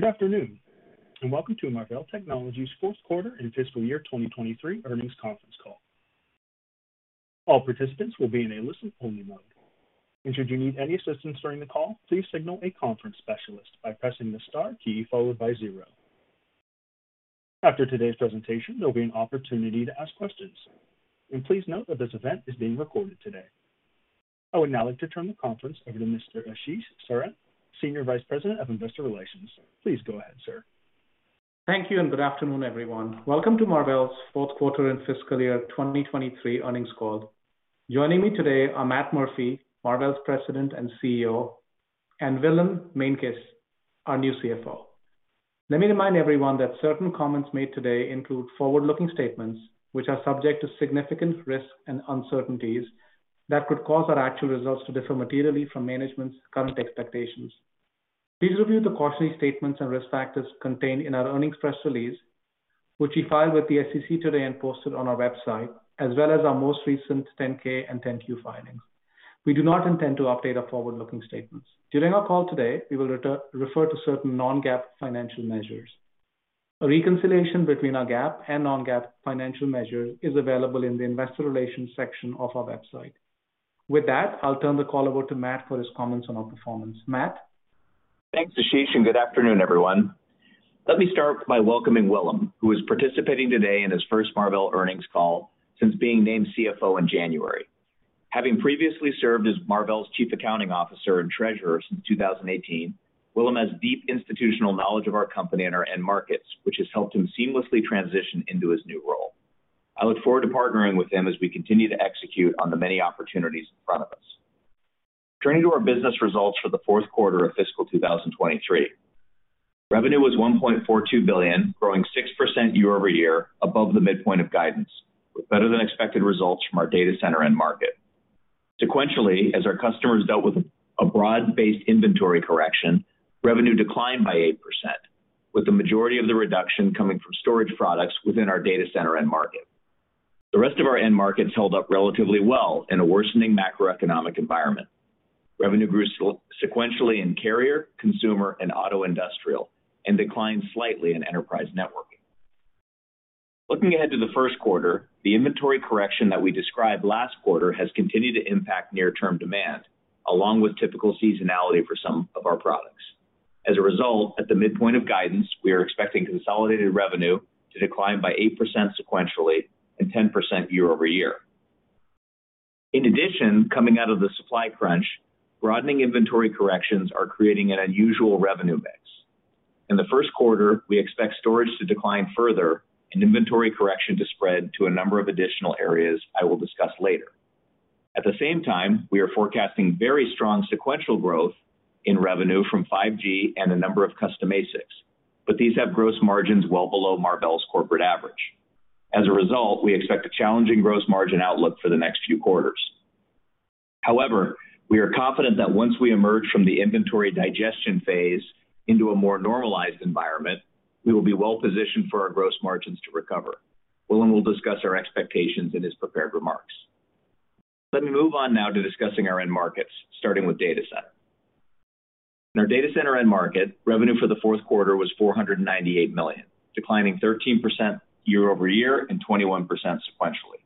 Good afternoon, and welcome to Marvell Technology's fourth quarter and fiscal year 2023 earnings conference call. All participants will be in a listen-only mode. Should you need any assistance during the call, please signal a conference specialist by pressing the star key followed by zero. After today's presentation, there'll be an opportunity to ask questions. Please note that this event is being recorded today. I would now like to turn the conference over to Mr. Ashish Saran, Senior Vice President of Investor Relations. Please go ahead, sir. Thank you. Good afternoon, everyone. Welcome to Marvell's fourth quarter and fiscal year 2023 earnings call. Joining me today are Matt Murphy, Marvell's President and CEO, and Willem Meintjes, our new CFO. Let me remind everyone that certain comments made today include forward-looking statements which are subject to significant risks and uncertainties that could cause our actual results to differ materially from management's current expectations. Please review the cautionary statements and risk factors contained in our earnings press release, which we filed with the SEC today and posted on our website, as well as our most recent 10-K and 10-Q filings. We do not intend to update our forward-looking statements. During our call today, we will refer to certain Non-GAAP financial measures. A reconciliation between our GAAP and Non-GAAP financial measures is available in the investor relations section of our website. With that, I'll turn the call over to Matt for his comments on our performance. Matt? Thanks, Ashish, and good afternoon, everyone. Let me start by welcoming Willem, who is participating today in his first Marvell earnings call since being named CFO in January. Having previously served as Marvell's Chief Accounting Officer and Treasurer since 2018, Willem has deep institutional knowledge of our company and our end markets, which has helped him seamlessly transition into his new role. I look forward to partnering with him as we continue to execute on the many opportunities in front of us. Turning to our business results for the fourth quarter of fiscal 2023. Revenue was $1.42 billion, growing 6% year-over-year above the midpoint of guidance, with better than expected results from our data center end market. Sequentially, as our customers dealt with a broad-based inventory correction, revenue declined by 8%, with the majority of the reduction coming from storage products within our data center end market. The rest of our end markets held up relatively well in a worsening macroeconomic environment. Revenue grew sequentially in carrier, consumer, and auto industrial, and declined slightly in enterprise networking. Looking ahead to the first quarter, the inventory correction that we described last quarter has continued to impact near-term demand, along with typical seasonality for some of our products. As a result, at the midpoint of guidance, we are expecting consolidated revenue to decline by 8% sequentially and 10% year-over-year. In addition, coming out of the supply crunch, broadening inventory corrections are creating an unusual revenue mix. In the first quarter, we expect storage to decline further and inventory correction to spread to a number of additional areas I will discuss later. At the same time, we are forecasting very strong sequential growth in revenue from 5G and a number of custom ASICs, but these have gross margins well below Marvell's corporate average. As a result, we expect a challenging gross margin outlook for the next few quarters. However, we are confident that once we emerge from the inventory digestion phase into a more normalized environment, we will be well positioned for our gross margins to recover. Willem will discuss our expectations in his prepared remarks. Let me move on now to discussing our end markets, starting with data center. In our data center end market, revenue for the fourth quarter was $498 million, declining 13% year-over-year and 21% sequentially.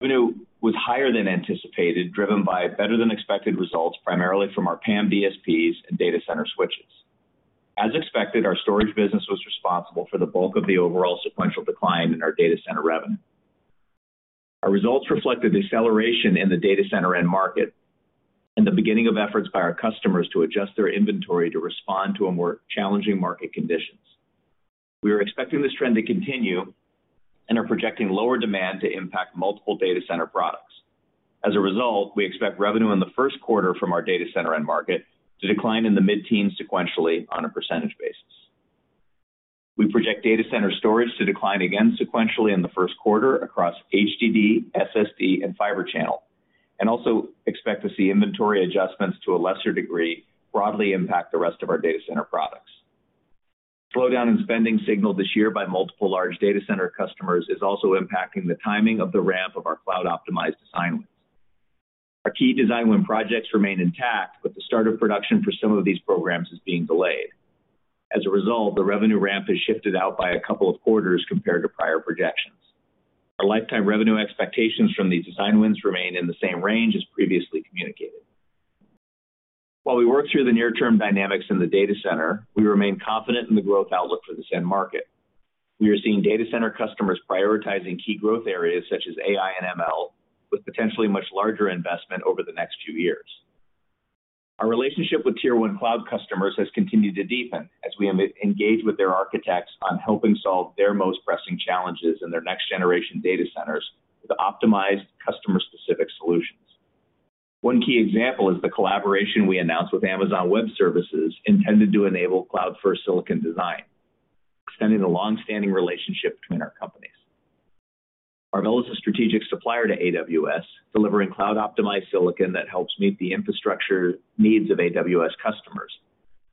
Revenue was higher than anticipated, driven by better than expected results, primarily from our PAM4 DSPs and data center switches. As expected, our storage business was responsible for the bulk of the overall sequential decline in our data center revenue. Our results reflect a deceleration in the data center end market and the beginning of efforts by our customers to adjust their inventory to respond to a more challenging market conditions. We are expecting this trend to continue and are projecting lower demand to impact multiple data center products. We expect revenue in the first quarter from our data center end market to decline in the mid-teen sequentially on a percentage basis. We project data center storage to decline again sequentially in the 1st quarter across HDD, SSD, and Fibre Channel, and also expect to see inventory adjustments to a lesser degree broadly impact the rest of our data center products. Slowdown in spending signaled this year by multiple large data center customers is also impacting the timing of the ramp of our cloud-optimized design wins. Our key design win projects remain intact, but the start of production for some of these programs is being delayed. As a result, the revenue ramp has shifted out by a couple of quarters compared to prior projections. Our lifetime revenue expectations from these design wins remain in the same range as previously communicated. While we work through the near-term dynamics in the data center, we remain confident in the growth outlook for this end market. We are seeing data center customers prioritizing key growth areas such as AI and ML, with potentially much larger investment over the next few years. Our relationship with tier one cloud customers has continued to deepen as we engage with their architects on helping solve their most pressing challenges in their next generation data centers with optimized customer-specific solutions. One key example is the collaboration we announced with Amazon Web Services intended to enable cloud-first silicon design, extending the long-standing relationship between our companies. Marvell is a strategic supplier to AWS, delivering cloud-optimized silicon that helps meet the infrastructure needs of AWS customers,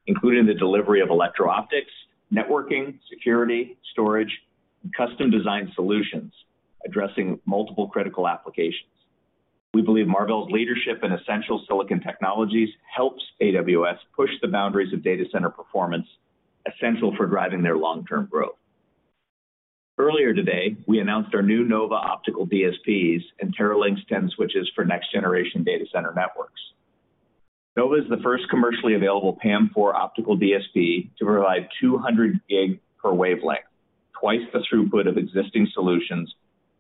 including the delivery of electro optics, networking, security, storage, and custom design solutions addressing multiple critical applications. We believe Marvell's leadership in essential silicon technologies helps AWS push the boundaries of data center performance, essential for driving their long-term growth. Earlier today, we announced our new Nova optical DSPs and Teralynx 10 switches for next-generation data center networks. Nova is the first commercially available PAM4 optical DSP to provide 200 gig per wavelength, twice the throughput of existing solutions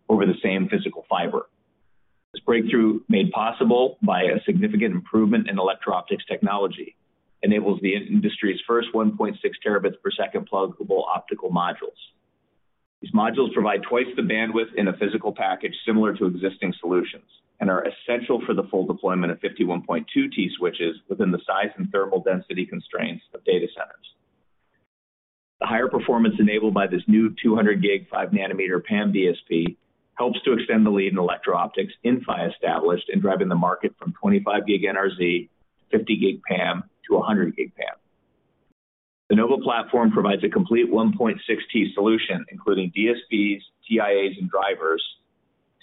over the same physical fiber. This breakthrough, made possible by a significant improvement in electro-optics technology, enables the industry's first 1.6 terabits per second pluggable optical modules. These modules provide twice the bandwidth in a physical package similar to existing solutions, and are essential for the full deployment of 51.2T switches within the size and thermal density constraints of data centers. The higher performance enabled by this new 200 gig 5 nanometer PAM DSP helps to extend the lead in electro-optics Inphi established in driving the market from 25 gig NRZ, 50 gig PAM to 100 gig PAM. The Nova platform provides a complete 1.6T solution, including DSPs, TIAs and drivers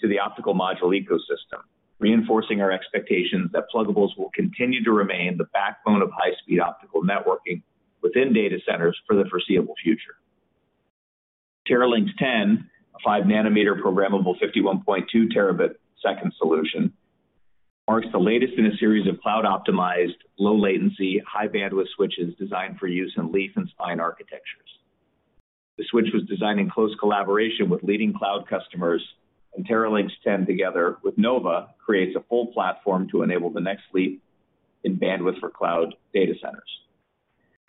to the optical module ecosystem, reinforcing our expectations that pluggables will continue to remain the backbone of high-speed optical networking within data centers for the foreseeable future. Teralynx 10, a 5 nanometer programmable 51.2 terabit second solution, marks the latest in a series of cloud-optimized, low latency, high bandwidth switches designed for use in leaf and spine architectures. The switch was designed in close collaboration with leading cloud customers, and Teralynx 10 together with Nova creates a full platform to enable the next leap in bandwidth for cloud data centers.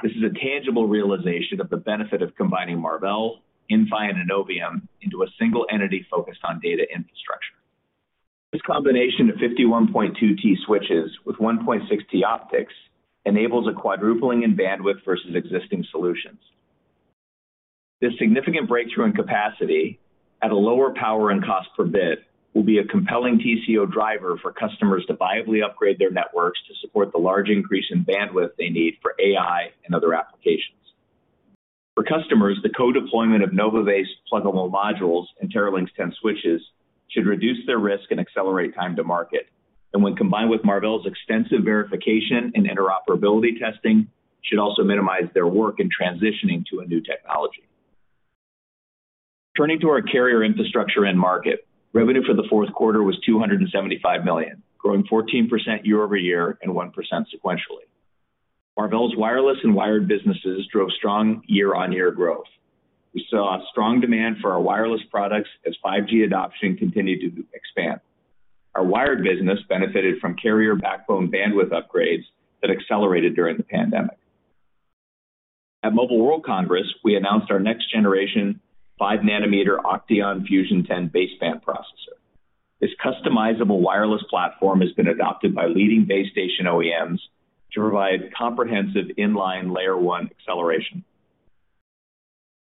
This is a tangible realization of the benefit of combining Marvell, Inphi, and Innovium into a single entity focused on data infrastructure. This combination of 51.2T switches with 1.6T optics enables a quadrupling in bandwidth versus existing solutions. This significant breakthrough in capacity at a lower power and cost per bit will be a compelling TCO driver for customers to viably upgrade their networks to support the large increase in bandwidth they need for AI and other applications. For customers, the co-deployment of Nova-based pluggable modules and Teralynx 10 switches should reduce their risk and accelerate time to market. When combined with Marvell's extensive verification and interoperability testing, should also minimize their work in transitioning to a new technology. Turning to our carrier infrastructure end market, revenue for the fourth quarter was $275 million, growing 14% year-over-year and 1% sequentially. Marvell's wireless and wired businesses drove strong year-over-year growth. We saw a strong demand for our wireless products as 5G adoption continued to expand. Our wired business benefited from carrier backbone bandwidth upgrades that accelerated during the pandemic. At Mobile World Congress, we announced our next generation 5 nanometer OCTEON 10 Fusion baseband processor. This customizable wireless platform has been adopted by leading base station OEMs to provide comprehensive in-line layer 1 acceleration.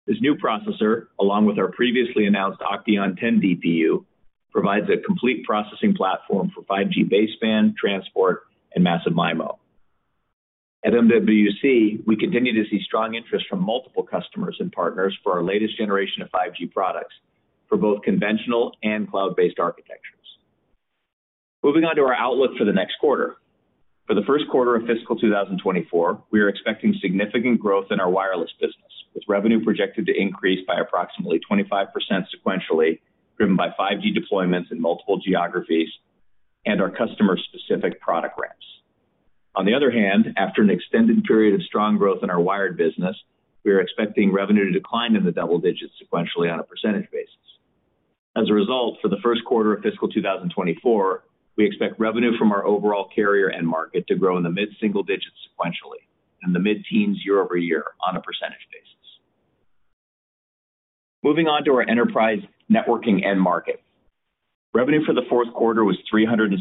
This new processor, along with our previously announced OCTEON 10 DPU, provides a complete processing platform for 5G base band, transport, and massive MIMO. At MWC, we continue to see strong interest from multiple customers and partners for our latest generation of 5G products for both conventional and cloud-based architectures. Moving on to our outlook for the next quarter. For the first quarter of fiscal 2024, we are expecting significant growth in our wireless business, with revenue projected to increase by approximately 25% sequentially, driven by 5G deployments in multiple geographies and our customer specific product ramps. After an extended period of strong growth in our wired business, we are expecting revenue to decline in the double digits sequentially on a percentage basis. For the first quarter of fiscal 2024, we expect revenue from our overall carrier end market to grow in the mid-single digits sequentially and the mid-teens year-over-year on a percentage basis. Moving on to our enterprise networking end market. Revenue for the fourth quarter was $366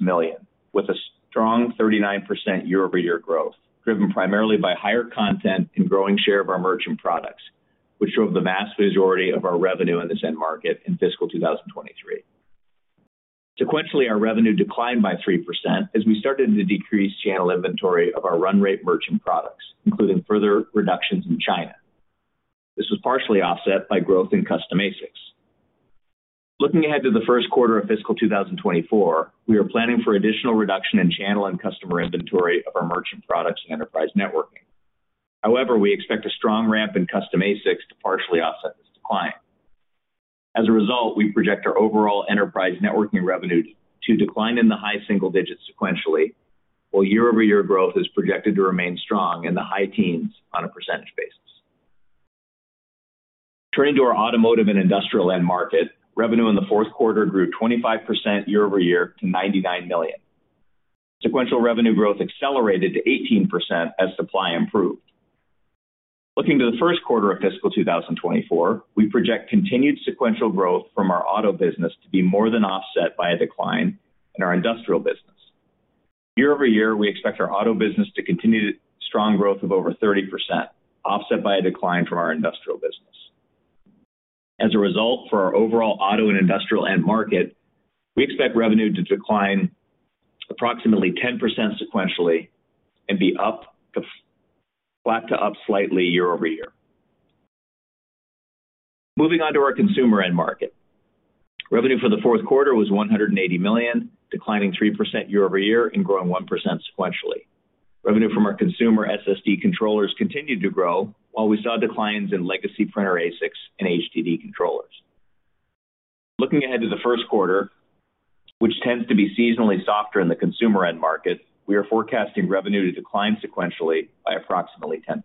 million, with a strong 39% year-over-year growth, driven primarily by higher content and growing share of our merchant products, which drove the vast majority of our revenue in this end market in fiscal 2023. Sequentially, our revenue declined by 3% as we started to decrease channel inventory of our run rate merchant products, including further reductions in China. This was partially offset by growth in custom ASICs. Looking ahead to the first quarter of fiscal 2024, we are planning for additional reduction in channel and customer inventory of our merchant products and enterprise networking. However, we expect a strong ramp in custom ASICs to partially offset this decline. As a result, we project our overall enterprise networking revenue to decline in the high single digits sequentially, while year-over-year growth is projected to remain strong in the high teens on a percentage basis. Turning to our automotive and industrial end market, revenue in the fourth quarter grew 25% year-over-year to $99 million. Sequential revenue growth accelerated to 18% as supply improved. Looking to the first quarter of fiscal 2024, we project continued sequential growth from our auto business to be more than offset by a decline in our industrial business. Year-over-year, we expect our auto business to continue strong growth of over 30%, offset by a decline from our industrial business. For our overall auto and industrial end market, we expect revenue to decline approximately 10% sequentially and be flat to up slightly year-over-year. Moving on to our consumer end market. Revenue for the fourth quarter was $180 million, declining 3% year-over-year and growing 1% sequentially. Revenue from our consumer SSD controllers continued to grow, while we saw declines in legacy printer ASICs and HDD controllers. Looking ahead to the first quarter, which tends to be seasonally softer in the consumer end market, we are forecasting revenue to decline sequentially by approximately 10%.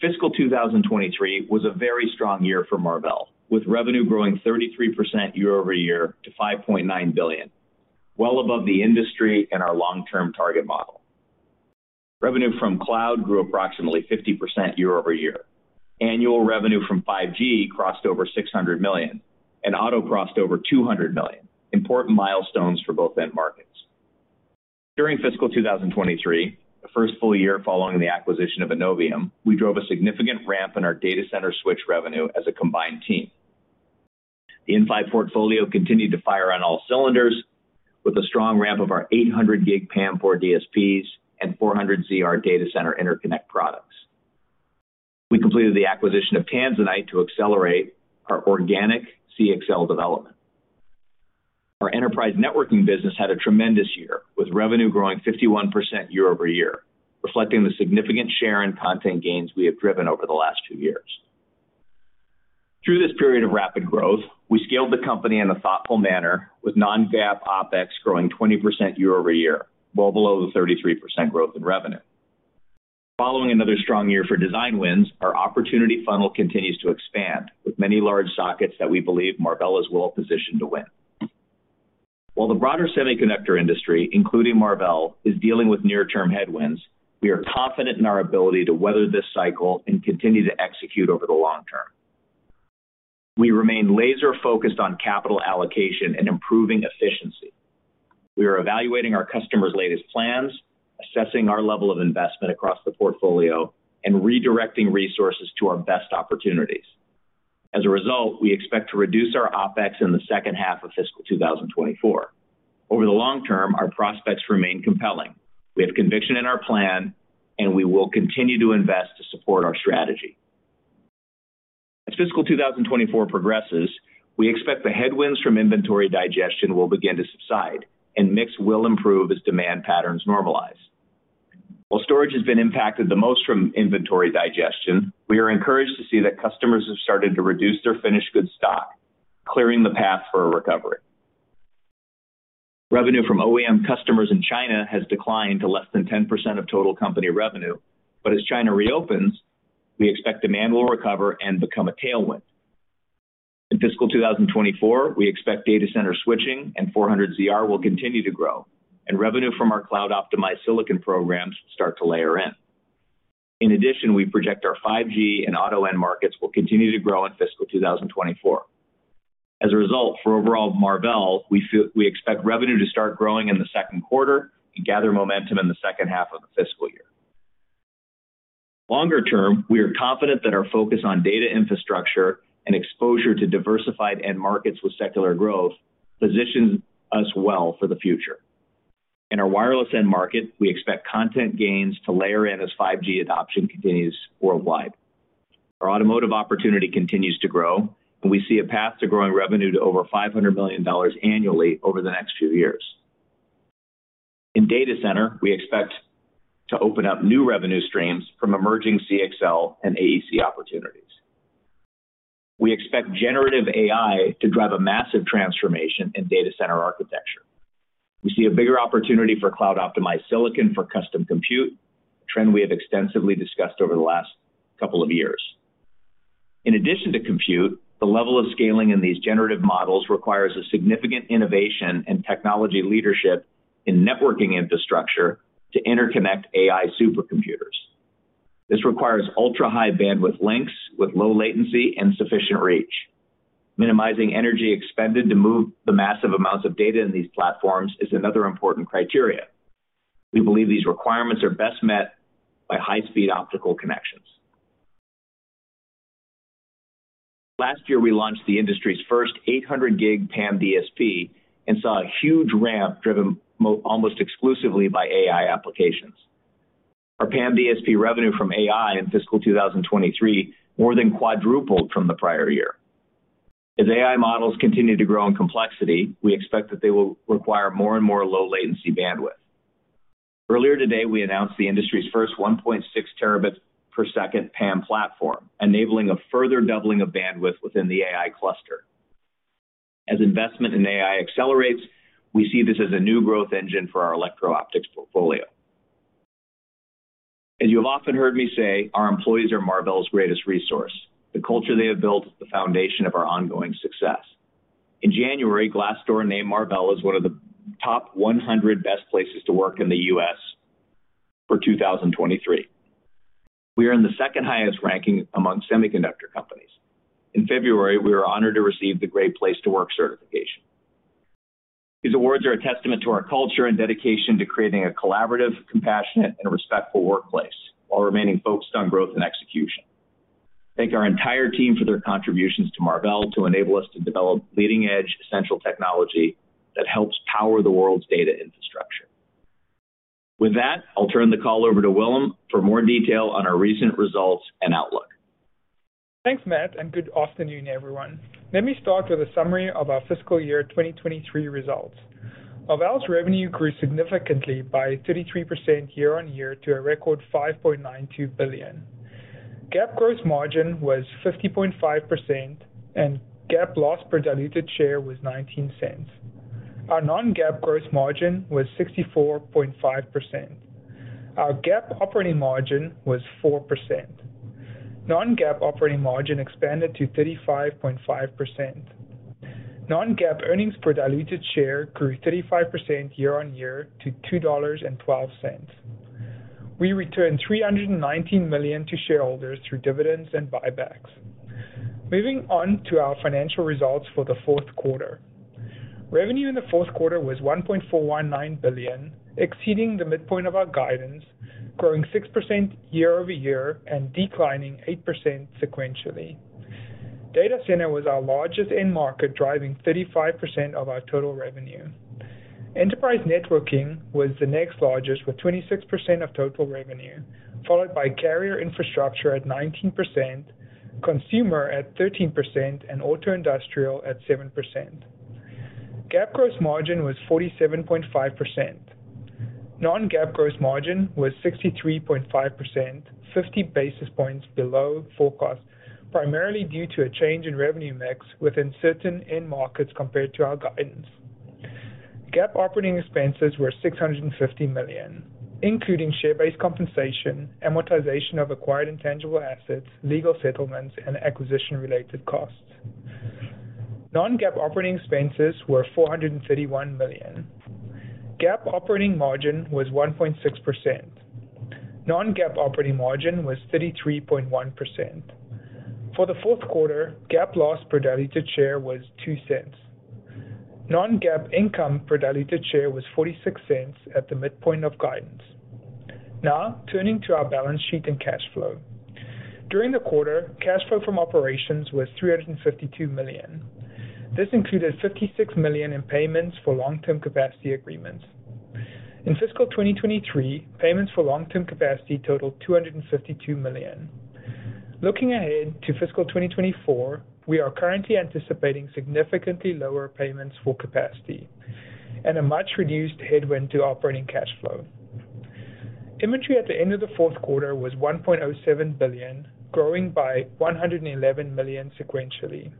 Fiscal 2023 was a very strong year for Marvell, with revenue growing 33% year-over-year to $5.9 billion, well above the industry and our long-term target model. Revenue from cloud grew approximately 50% year-over-year. Annual revenue from 5G crossed over $600 million, auto crossed over $200 million. Important milestones for both end markets. During fiscal 2023, the first full year following the acquisition of Innovium, we drove a significant ramp in our data center switch revenue as a combined team. The Inphi portfolio continued to fire on all cylinders with a strong ramp of our 800 gig PAM4 DSPs and 400ZR data center interconnect products. We completed the acquisition of Tanzanite to accelerate our organic CXL development. Our enterprise networking business had a tremendous year, with revenue growing 51% year-over-year, reflecting the significant share in content gains we have driven over the last two years. Through this period of rapid growth, we scaled the company in a thoughtful manner with non-GAAP OpEx growing 20% year-over-year, well below the 33% growth in revenue. Following another strong year for design wins, our opportunity funnel continues to expand with many large sockets that we believe Marvell is well positioned to win. While the broader semiconductor industry, including Marvell, is dealing with near-term headwinds, we are confident in our ability to weather this cycle and continue to execute over the long term. We remain laser-focused on capital allocation and improving efficiency. We are evaluating our customers' latest plans, assessing our level of investment across the portfolio, and redirecting resources to our best opportunities. As a result, we expect to reduce our OpEx in the second half of fiscal 2024. Over the long term, our prospects remain compelling. We have conviction in our plan, and we will continue to invest to support our strategy. As fiscal 2024 progresses, we expect the headwinds from inventory digestion will begin to subside and mix will improve as demand patterns normalize. While storage has been impacted the most from inventory digestion, we are encouraged to see that customers have started to reduce their finished good stock, clearing the path for a recovery. Revenue from OEM customers in China has declined to less than 10% of total company revenue. As China reopens, we expect demand will recover and become a tailwind. In fiscal 2024, we expect data center switching and 400 ZR will continue to grow, and revenue from our cloud optimized silicon programs start to layer in. In addition, we project our 5G and auto end markets will continue to grow in fiscal 2024. For overall Marvell, we expect revenue to start growing in the second quarter and gather momentum in the second half of the fiscal year. Longer term, we are confident that our focus on data infrastructure and exposure to diversified end markets with secular growth positions us well for the future. In our wireless end market, we expect content gains to layer in as 5G adoption continues worldwide. Our automotive opportunity continues to grow, we see a path to growing revenue to over $500 million annually over the next few years. In data center, we expect to open up new revenue streams from emerging CXL and AEC opportunities. We expect generative AI to drive a massive transformation in data center architecture. We see a bigger opportunity for cloud optimized silicon for custom compute, a trend we have extensively discussed over the last couple of years. In addition to compute, the level of scaling in these generative models requires a significant innovation and technology leadership in networking infrastructure to interconnect AI supercomputers. This requires ultra-high bandwidth links with low latency and sufficient reach. Minimizing energy expended to move the massive amounts of data in these platforms is another important criteria. We believe these requirements are best met by high-speed optical connections. Last year, we launched the industry's first 800 gig PAM DSP and saw a huge ramp driven almost exclusively by AI applications. Our PAM DSP revenue from AI in fiscal 2023 more than quadrupled from the prior year. As AI models continue to grow in complexity, we expect that they will require more and more low latency bandwidth. Earlier today, we announced the industry's first 1.6 terabits per second PAM platform, enabling a further doubling of bandwidth within the AI cluster. As investment in AI accelerates, we see this as a new growth engine for our electro optics portfolio. As you have often heard me say, our employees are Marvell's greatest resource. The culture they have built is the foundation of our ongoing success. In January, Glassdoor named Marvell as one of the top 100 best places to work in the U.S. for 2023. We are in the second highest ranking among semiconductor companies. In February, we were honored to receive the Great Place to Work certification. These awards are a testament to our culture and dedication to creating a collaborative, compassionate, and respectful workplace while remaining focused on growth and execution. Thank our entire team for their contributions to Marvell to enable us to develop leading-edge, essential technology that helps power the world's data infrastructure. With that, I'll turn the call over to Willem for more detail on our recent results and outlook. Thanks, Matt, and good afternoon, everyone. Let me start with a summary of our fiscal year 2023 results. Marvell's revenue grew significantly by 33% year-on-year to a record $5.92 billion. GAAP gross margin was 50.5%, and GAAP loss per diluted share was $0.19. Our Non-GAAP gross margin was 64.5%. Our GAAP operating margin was 4%. Non-GAAP operating margin expanded to 35.5%. Non-GAAP earnings per diluted share grew 35% year-on-year to $2.12. We returned $319 million to shareholders through dividends and buybacks. Moving on to our financial results for the fourth quarter. Revenue in the fourth quarter was $1.419 billion, exceeding the midpoint of our guidance, growing 6% year-over-year and declining 8% sequentially. Data center was our largest end market, driving 35% of our total revenue. Enterprise networking was the next largest with 26% of total revenue, followed by carrier infrastructure at 19%, consumer at 13%, and auto industrial at 7%. GAAP gross margin was 47.5%. Non-GAAP gross margin was 63.5%, 50 basis points below forecast, primarily due to a change in revenue mix within certain end markets compared to our guidance. GAAP operating expenses were $650 million, including share-based compensation, amortization of acquired intangible assets, legal settlements, and acquisition-related costs. Non-GAAP operating expenses were $431 million. GAAP operating margin was 1.6%. Non-GAAP operating margin was 33.1%. For the fourth quarter, GAAP loss per diluted share was $0.02. Non-GAAP income per diluted share was $0.46 at the midpoint of guidance. Turning to our balance sheet and cash flow. During the quarter, cash flow from operations was $352 million. This included $56 million in payments for long-term capacity agreements. In fiscal 2023, payments for long-term capacity totaled $252 million. Looking ahead to fiscal 2024, we are currently anticipating significantly lower payments for capacity and a much-reduced headwind to operating cash flow. Inventory at the end of the fourth quarter was $1.07 billion, growing by $111 million sequentially.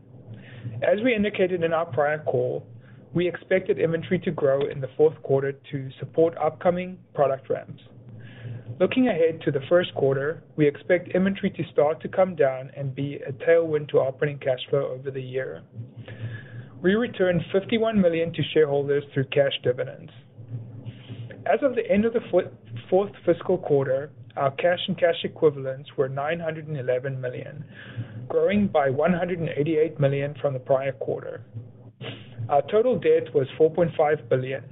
As we indicated in our prior call, we expected inventory to grow in the fourth quarter to support upcoming product ramps. Looking ahead to the first quarter, we expect inventory to start to come down and be a tailwind to operating cash flow over the year. We returned $51 million to shareholders through cash dividends. As of the end of the fourth fiscal quarter, our cash and cash equivalents were $911 million, growing by $188 million from the prior quarter. Our total debt was $4.5 billion.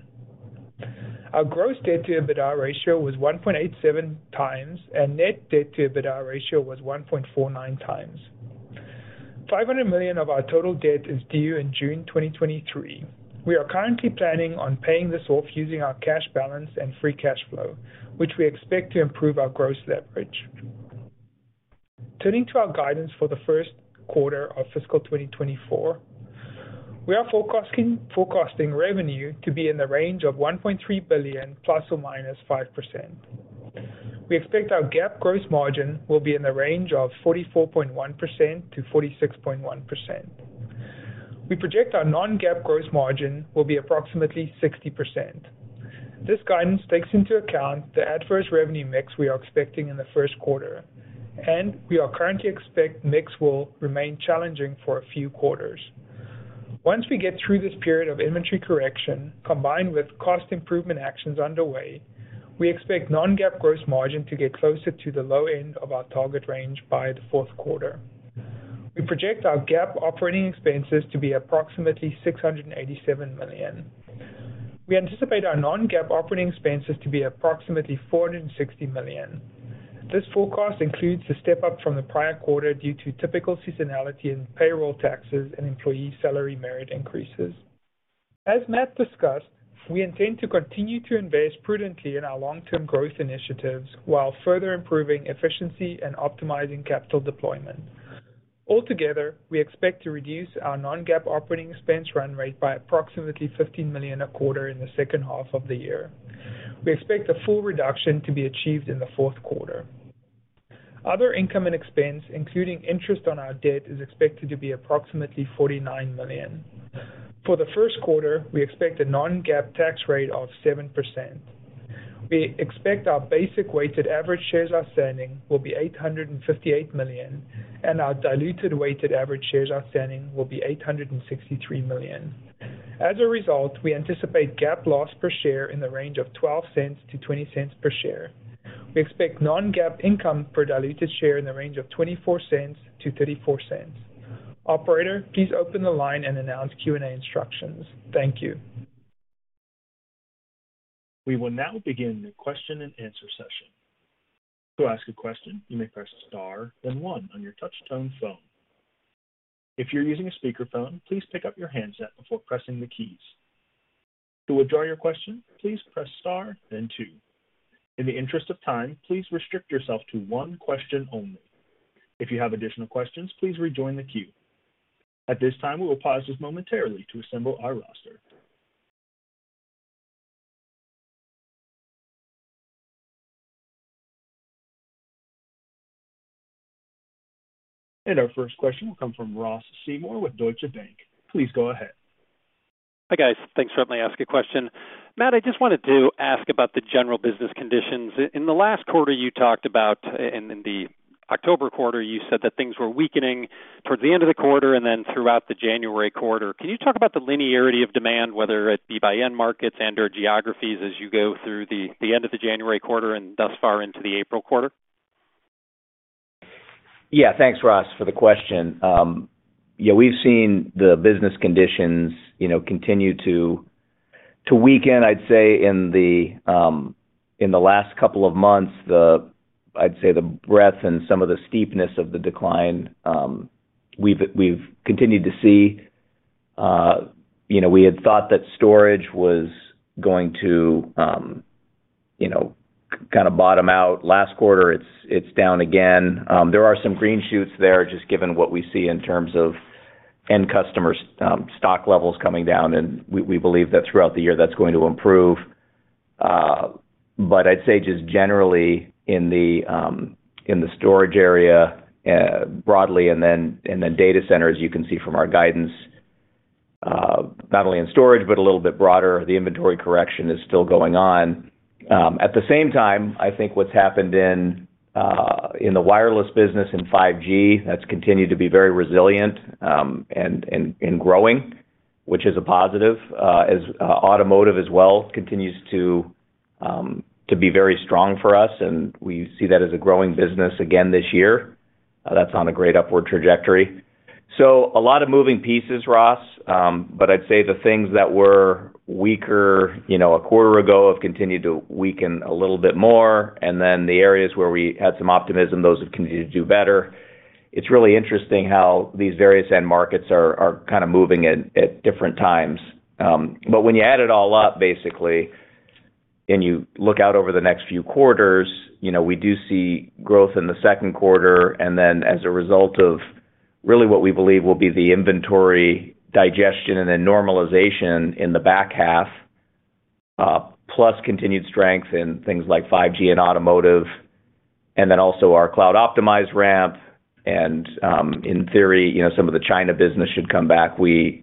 Our gross debt to EBITDA ratio was 1.87 times, and net debt to EBITDA ratio was 1.49 times. $500 million of our total debt is due in June 2023. We are currently planning on paying this off using our cash balance and free cash flow, which we expect to improve our gross leverage. Turning to our guidance for the first quarter of fiscal 2024, we are forecasting revenue to be in the range of $1.3 billion ±5%. We expect our GAAP gross margin will be in the range of 44.1%-46.1%. We project our Non-GAAP gross margin will be approximately 60%. This guidance takes into account the adverse revenue mix we are expecting in the first quarter, and we are currently expect mix will remain challenging for a few quarters. Once we get through this period of inventory correction combined with cost improvement actions underway, we expect Non-GAAP gross margin to get closer to the low end of our target range by the fourth quarter. We project our GAAP operating expenses to be approximately $687 million. We anticipate our Non-GAAP operating expenses to be approximately $460 million. This forecast includes the step up from the prior quarter due to typical seasonality in payroll taxes and employee salary merit increases. As Matt discussed, we intend to continue to invest prudently in our long-term growth initiatives while further improving efficiency and optimizing capital deployment. Altogether, we expect to reduce our Non-GAAP operating expense run rate by approximately $15 million a quarter in the second half of the year. We expect the full reduction to be achieved in the fourth quarter. Other income and expense, including interest on our debt, is expected to be approximately $49 million. For the first quarter, we expect a Non-GAAP tax rate of 7%. We expect our basic weighted average shares outstanding will be 858 million, and our diluted weighted average shares outstanding will be 863 million. As a result, we anticipate GAAP loss per share in the range of $0.12-$0.20 per share. We expect Non-GAAP income per diluted share in the range of $0.24-$0.34. Operator, please open the line and announce Q&A instructions. Thank you. We will now begin the question-and-answer session. To ask a question, you may press star then one on your touch tone phone. If you're using a speakerphone, please pick up your handset before pressing the keys. To withdraw your question, please press star then two. In the interest of time, please restrict yourself to one question only. If you have additional questions, please rejoin the queue. At this time, we will pause just momentarily to assemble our roster. Our first question will come from Ross Seymore with Deutsche Bank. Please go ahead. Hi, guys. Thanks for letting me ask a question. Matt, I just wanted to ask about the general business conditions. In the last quarter, you talked about, in the October quarter, you said that things were weakening towards the end of the quarter and then throughout the January quarter. Can you talk about the linearity of demand, whether it be by end markets and/or geographies as you go through the end of the January quarter and thus far into the April quarter? Yeah. Thanks, Ross, for the question. Yeah, we've seen the business conditions, you know, continue to weaken, I'd say, in the last couple of months. I'd say the breadth and some of the steepness of the decline, we've continued to see. You know, we had thought that storage was going to, you know, kind of bottom out last quarter. It's down again. There are some green shoots there just given what we see in terms of end customers', stock levels coming down, and we believe that throughout the year that's going to improve. I'd say just generally in the storage area, broadly and then data centers, you can see from our guidance, not only in storage but a little bit broader, the inventory correction is still going on. At the same time, I think what's happened in the wireless business in 5G, that's continued to be very resilient, and growing, which is a positive. As automotive as well continues to be very strong for us, and we see that as a growing business again this year. That's on a great upward trajectory. A lot of moving pieces, Ross, but I'd say the things that were weaker, you know, a quarter ago have continued to weaken a little bit more, and then the areas where we had some optimism, those have continued to do better. It's really interesting how these various end markets are kind of moving at different times. When you add it all up, basically, and you look out over the next few quarters, you know, we do see growth in the second quarter, and then as a result of really what we believe will be the inventory digestion and then normalization in the back half, plus continued strength in things like 5G and automotive, and then also our cloud optimized ramp and, in theory, you know, some of the China business should come back. We're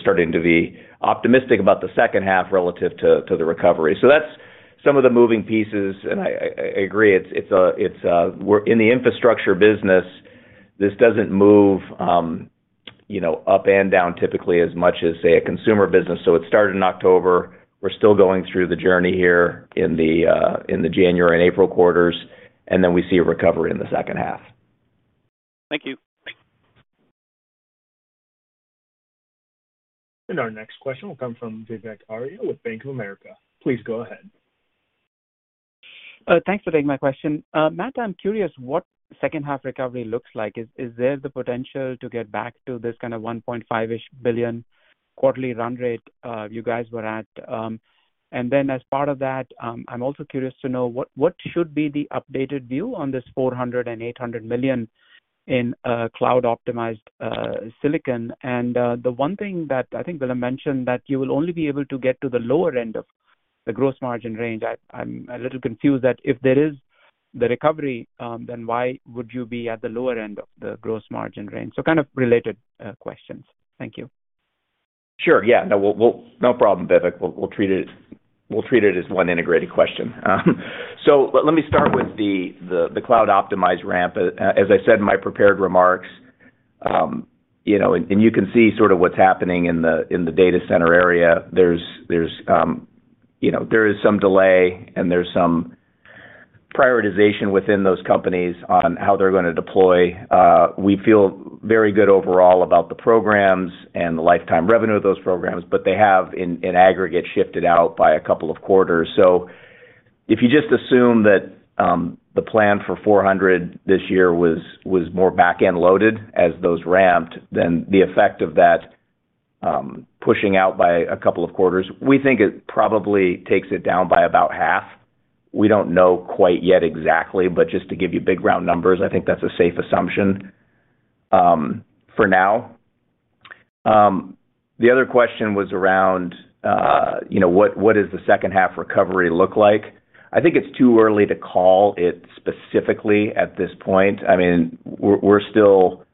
starting to be optimistic about the second half relative to the recovery. That's some of the moving pieces, and I agree. It's, we're in the infrastructure business, this doesn't move, you know, up and down typically as much as, say, a consumer business. It started in October. We're still going through the journey here in the January and April quarters, and then we see a recovery in the second half. Thank you. Our next question will come from Vivek Arya with Bank of America. Please go ahead. Thanks for taking my question. Matt, I'm curious what second half recovery looks like. Is there the potential to get back to this kind of $1.5 billion-ish quarterly run rate, you guys were at? Then as part of that, I'm also curious to know what should be the updated view on this $400 million-$800 million in cloud optimized silicon? The one thing that I think Willem mentioned, that you will only be able to get to the lower end of the gross margin range. I'm a little confused that if there is the recovery, then why would you be at the lower end of the gross margin range? Kind of related questions. Thank you. Sure, yeah. No problem, Vivek. We'll treat it as one integrated question. Let me start with the cloud optimized ramp. As I said in my prepared remarks, you know, you can see sort of what's happening in the data center area. There's, you know, there is some delay, and there's some prioritization within those companies on how they're gonna deploy. We feel very good overall about the programs and the lifetime revenue of those programs, they have in aggregate shifted out by a couple of quarters. If you just assume that, the plan for $400 this year was more back-end loaded as those ramped, then the effect of that, pushing out by a couple of quarters, we think it probably takes it down by about half. We don't know quite yet exactly, but just to give you big round numbers, I think that's a safe assumption, for now. The other question was around, you know, what does the second half recovery look like? I think it's too early to call it specifically at this point. I mean, we're still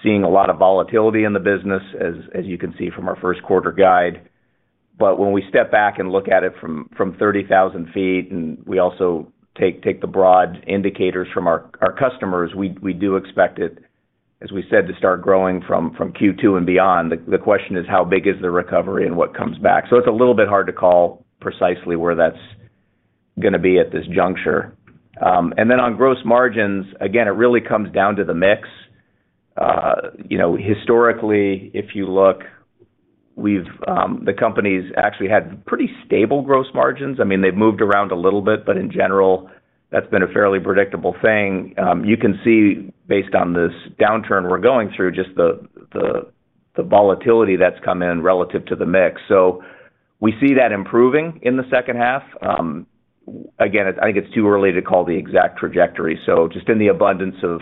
seeing a lot of volatility in the business as you can see from our first quarter guide. When we step back and look at it from 30,000 feet and we also take the broad indicators from our customers, we do expect it, as we said, to start growing from Q2 and beyond. The question is how big is the recovery and what comes back? It's a little bit hard to call precisely where that's gonna be at this juncture. On gross margins, again, it really comes down to the mix. You know, historically, if you look, the company's actually had pretty stable gross margins. I mean, they've moved around a little bit, but in general, that's been a fairly predictable thing. You can see based on this downturn we're going through, just the volatility that's come in relative to the mix. We see that improving in the second half. Again, I think it's too early to call the exact trajectory. Just in the abundance of,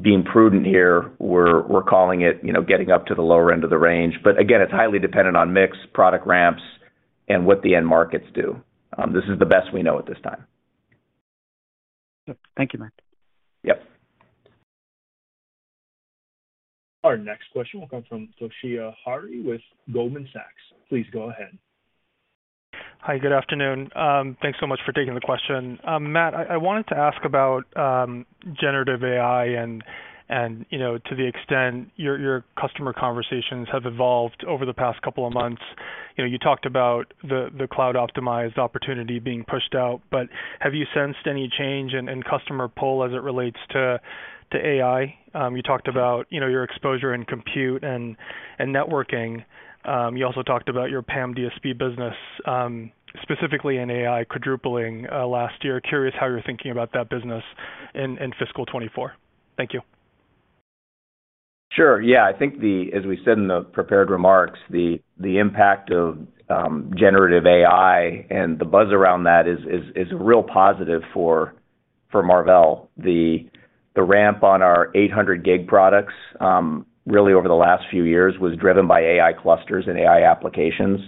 being prudent here, we're calling it, you know, getting up to the lower end of the range. Again, it's highly dependent on mix, product ramps, and what the end markets do. This is the best we know at this time. Thank you, Matt. Yep. Our next question will come from Toshiya Hari with Goldman Sachs. Please go ahead. Hi, good afternoon. Thanks so much for taking the question. Matt, I wanted to ask about generative AI and, you know, to the extent your customer conversations have evolved over the past couple of months. You know, you talked about the cloud-optimized opportunity being pushed out, but have you sensed any change in customer poll as it relates to AI? You talked about, you know, your exposure in compute and networking. You also talked about your PAM DSP business, specifically in AI quadrupling last year. Curious how you're thinking about that business in fiscal 2024. Thank you. Sure. Yeah. I think as we said in the prepared remarks, the impact of generative AI and the buzz around that is a real positive for Marvell. The ramp on our 800 Gig products really over the last few years was driven by AI clusters and AI applications.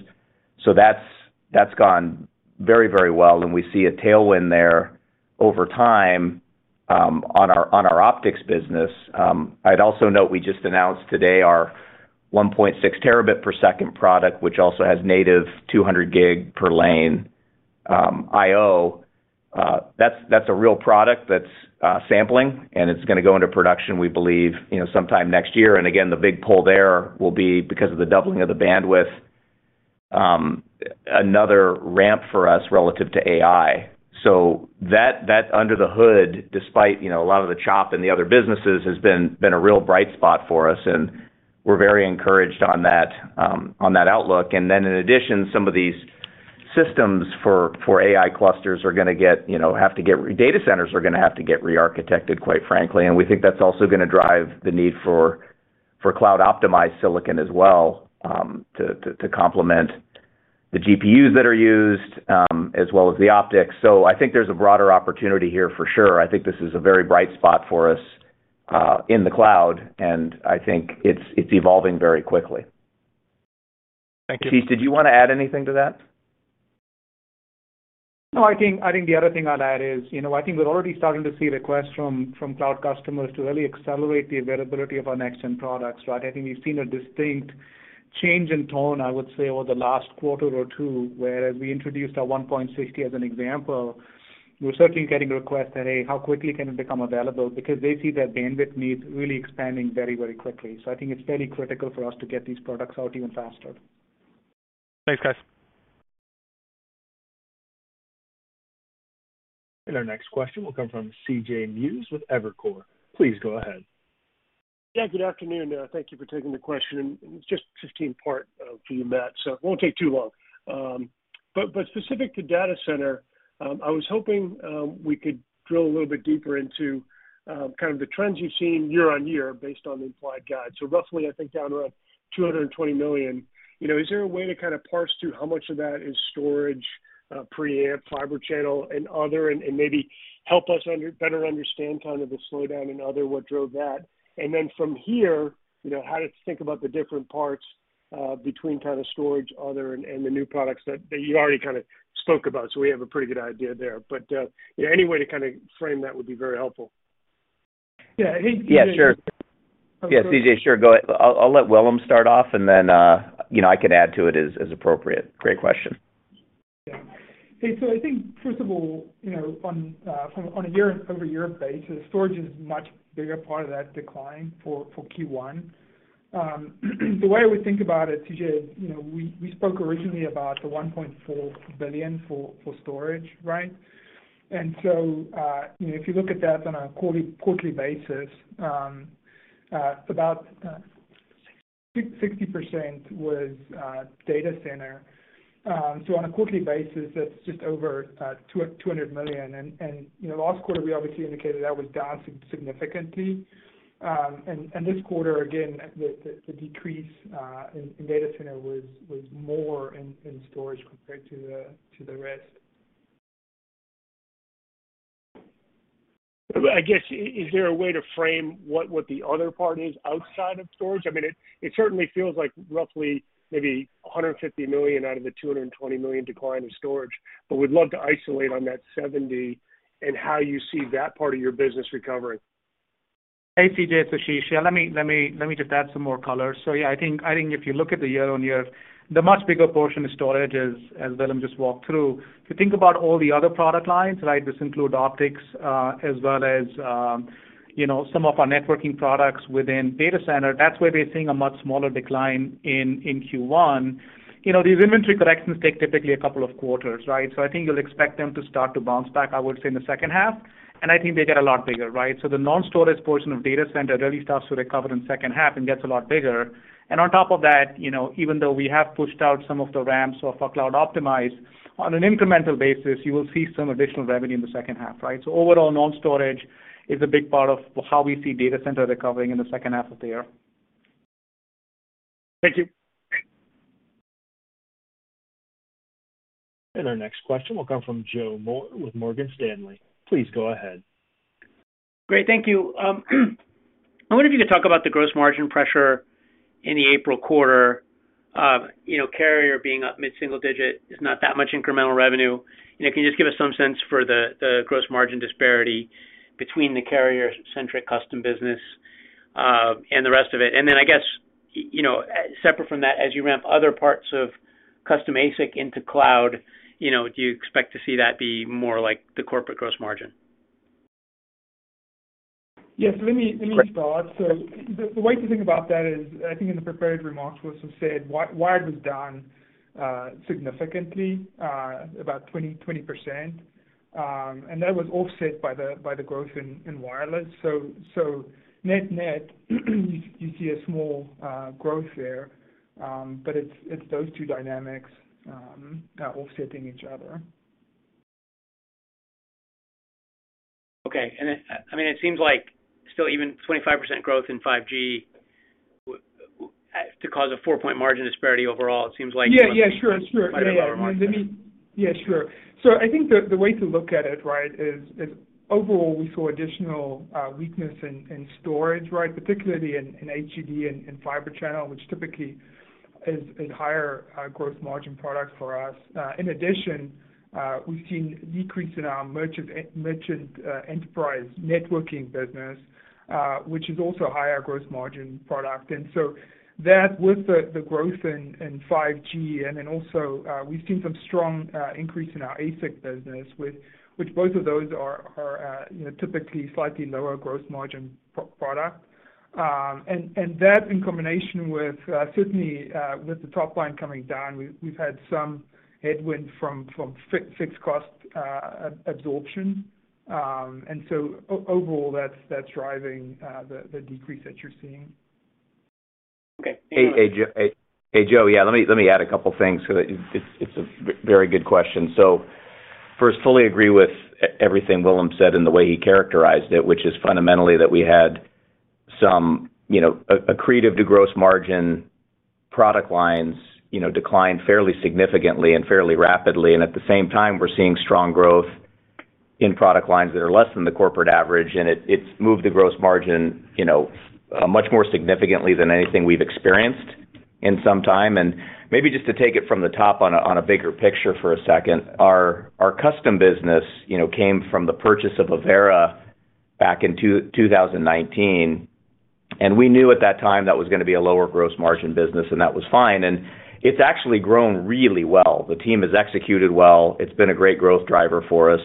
That's gone very, very well, and we see a tailwind there over time on our optics business. I'd also note we just announced today our 1.6 terabit per second product, which also has native 200 Gig per lane IO. That's a real product that's sampling, and it's gonna go into production, we believe, you know, sometime next year. Again, the big pull there will be because of the doubling of the bandwidth, another ramp for us relative to AI. That, that under the hood, despite, you know, a lot of the chop in the other businesses, has been a real bright spot for us, and we're very encouraged on that outlook. Then in addition, some of these systems for AI clusters are gonna get, you know, data centers are gonna have to get rearchitected, quite frankly. We think that's also gonna drive the need for cloud-optimized silicon as well, to complement the GPUs that are used, as well as the optics. I think there's a broader opportunity here for sure. I think this is a very bright spot for us, in the cloud. I think it's evolving very quickly. Thank you. Keith, did you wanna add anything to that? No, I think the other thing I'd add is, you know, I think we're already starting to see requests from cloud customers to really accelerate the availability of our next-gen products, right? I think we've seen a distinct change in tone, I would say, over the last quarter or two, where as we introduced our 1.60 as an example, we're certainly getting requests that, "Hey, how quickly can it become available?" Because they see their bandwidth needs really expanding very, very quickly. I think it's very critical for us to get these products out even faster. Thanks, guys. Our next question will come from C.J. Muse with Evercore. Please go ahead. Yeah, good afternoon. Thank you for taking the question. It's just 15 part for you, Matt, so it won't take too long. Specific to data center, I was hoping we could drill a little bit deeper into kind of the trends you've seen year-over-year based on the implied guide. Roughly, I think down to $220 million. You know, is there a way to kinda parse through how much of that is storage, Preamplifier, Fibre Channel and other, and maybe help us better understand kind of the slowdown in other, what drove that? Then from here, you know, how to think about the different parts between kind of storage, other and the new products that you already kinda spoke about. we have a pretty good idea there, but, yeah, any way to kinda frame that would be very helpful. Yeah. Hey, C.J. Yeah, sure. Of course. Yeah, C.J., sure. I'll let Willem start off and then, you know, I can add to it as appropriate. Great question. Hey, so I think first of all, you know, on a year-over-year basis, storage is much bigger part of that decline for Q1. The way we think about it, C.J., you know, we spoke originally about the $1.4 billion for storage, right? If you look at that on a quarterly basis, about 60% was data center. So on a quarterly basis, that's just over $200 million. And, you know, last quarter we obviously indicated that was down significantly. And this quarter, again, the decrease in data center was more in storage compared to the rest. I guess, is there a way to frame what the other part is outside of storage? I mean, it certainly feels like roughly maybe $150 million out of the $220 million decline in storage. We'd love to isolate on that $70 million and how you see that part of your business recovering. Hey, C.J., it's Ashish. Yeah, let me just add some more color. Yeah, I think if you look at the year-over-year, the much bigger portion of storage is, as Willem just walked through. If you think about all the other product lines, right, this include optics, as well as, you know, some of our networking products within data center, that's where we are seeing a much smaller decline in Q1. You know, these inventory corrections take typically a couple of quarters, right? I think you'll expect them to start to bounce back, I would say in the second half, and I think they get a lot bigger, right? The non-storage portion of data center really starts to recover in second half and gets a lot bigger. On top of that, you know, even though we have pushed out some of the ramps for cloud optimized, on an incremental basis, you will see some additional revenue in the second half, right? Overall, non-storage is a big part of how we see data center recovering in the second half of the year. Thank you. Our next question will come from Joseph Moore with Morgan Stanley. Please go ahead. Great. Thank you. I wonder if you could talk about the gross margin pressure in the April quarter. You know, carrier being up mid-single digit is not that much incremental revenue. If you just give us some sense for the gross margin disparity between the carrier-centric custom business and the rest of it. Then I guess, you know, separate from that, as you ramp other parts of custom ASIC into cloud, you know, do you expect to see that be more like the corporate gross margin? Yes. Let me start. The way to think about that is, I think in the prepared remarks was sort of said wired was down significantly, about 20%. That was offset by the growth in wireless. Net-net, you see a small growth there. But it's those two dynamics offsetting each other. Okay. I mean, it seems like still even 25% growth in 5G to cause a four-point margin disparity overall, it seems like Yeah. Sure. Yeah, sure. I think the way to look at it, right, is overall we saw additional weakness in storage, right? Particularly in HDD and in Fibre Channel, which typically is a higher gross margin product for us. In addition, we've seen decrease in our merchant enterprise networking business, which is also a higher gross margin product. That with the growth in 5G and then also, we've seen some strong increase in our ASIC business, which both of those are, you know, typically slightly lower gross margin product. That in combination with certainly with the top line coming down, we've had some headwind from fixed cost absorption. Overall, that's driving, the decrease that you're seeing. Okay. Hey, Joe. Hey, Joe. Yeah. Let me add a couple things so that it's a very good question. First, fully agree with everything Willem said and the way he characterized it, which is fundamentally that we had some, you know, accretive to gross margin product lines, you know, decline fairly significantly and fairly rapidly. At the same time, we're seeing strong growth in product lines that are less than the corporate average, and it's moved the gross margin, you know, much more significantly than anything we've experienced in some time. Maybe just to take it from the top on a bigger picture for a second. Our custom business, you know, came from the purchase of Avera back in 2019. We knew at that time that was gonna be a lower gross margin business, and that was fine. It's actually grown really well. The team has executed well. It's been a great growth driver for us,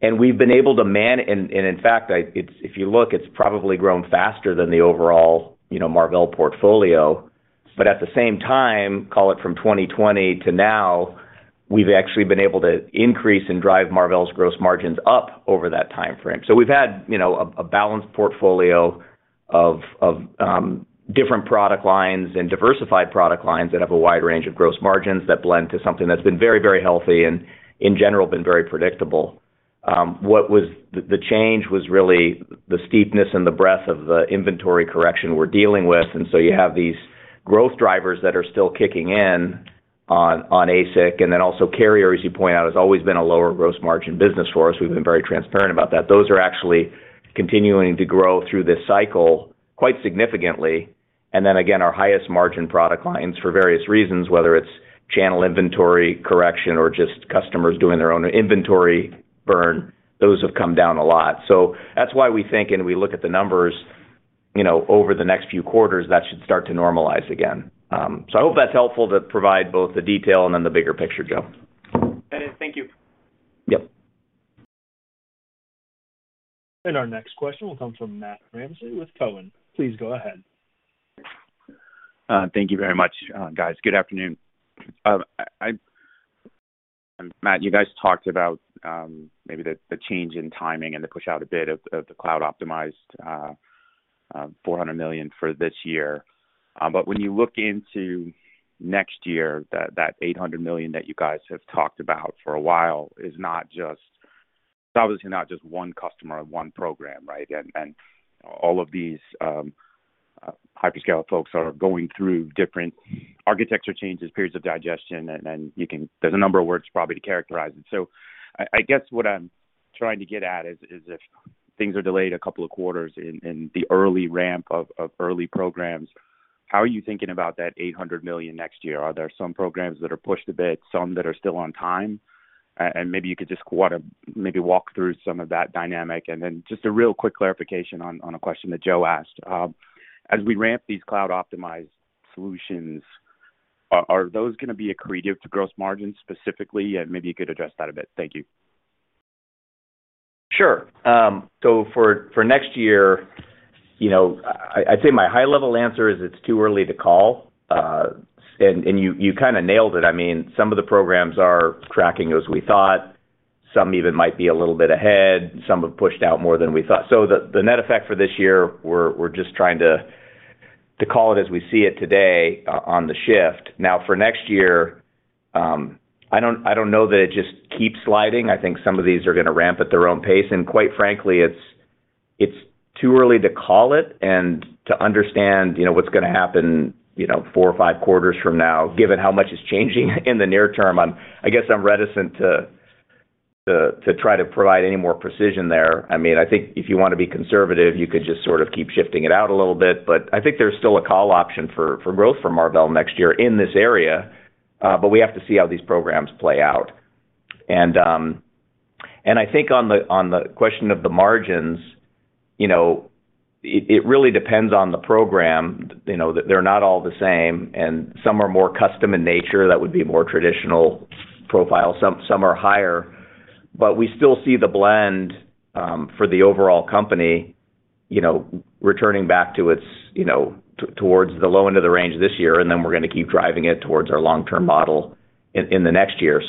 and we've been able to in fact, it's if you look, it's probably grown faster than the overall, you know, Marvell portfolio. At the same time, call it from 2020 to now, we've actually been able to increase and drive Marvell's gross margins up over that timeframe. We've had, you know, a balanced portfolio of different product lines and diversified product lines that have a wide range of gross margins that blend to something that's been very, very healthy and in general been very predictable. The change was really the steepness and the breadth of the inventory correction we're dealing with. You have these growth drivers that are still kicking in on ASIC, also carrier, as you point out, has always been a lower gross margin business for us. We've been very transparent about that. Those are actually continuing to grow through this cycle quite significantly. Again, our highest margin product lines for various reasons, whether it's channel inventory correction or just customers doing their own inventory burn, those have come down a lot. That's why we think and we look at the numbers, you know, over the next few quarters, that should start to normalize again. I hope that's helpful to provide both the detail and then the bigger picture, Joe. That is. Thank you. Yep. Our next question will come from Matthew Ramsay with Cowen. Please go ahead. Thank you very much, guys. Good afternoon. I'm Matt, you guys talked about maybe the change in timing and the push out a bit of the cloud optimized $400 million for this year. When you look into next year, that $800 million that you guys have talked about for a while is not just, it's obviously not just one customer or one program, right? All of these hyperscale folks are going through different architecture changes, periods of digestion, and you can, there's a number of words probably to characterize it. I guess what I'm trying to get at is if things are delayed a couple of quarters in the early ramp of early programs, how are you thinking about that $800 million next year? Are there some programs that are pushed a bit, some that are still on time? Maybe you could just wanna maybe walk through some of that dynamic. Then just a real quick clarification on a question that Joe asked. As we ramp these cloud optimized solutions, are those gonna be accretive to gross margin specifically? Maybe you could address that a bit. Thank you. Sure. for next year, you know, I'd say my high level answer is it's too early to call. you kinda nailed it. I mean, some of the programs are tracking as we thought. Some even might be a little bit ahead. Some have pushed out more than we thought. The net effect for this year, we're just trying to call it as we see it today on the shift. Now for next year, I don't, I don't know that it just keeps sliding. I think some of these are gonna ramp at their own pace. Quite frankly, It's too early to call it and to understand, you know, what's gonna happen, you know, four or five quarters from now, given how much is changing in the near term. I guess I'm reticent to try to provide any more precision there. I mean, I think if you wanna be conservative, you could just sort of keep shifting it out a little bit. I think there's still a call option for growth for Marvell next year in this area, but we have to see how these programs play out. I think on the question of the margins, you know, it really depends on the program, you know. They're not all the same, and some are more custom in nature, that would be more traditional profile. Some are higher. We still see the blend for the overall company, you know, returning back to its, you know... towards the low end of the range this year, and then we're gonna keep driving it towards our long-term model in the next year.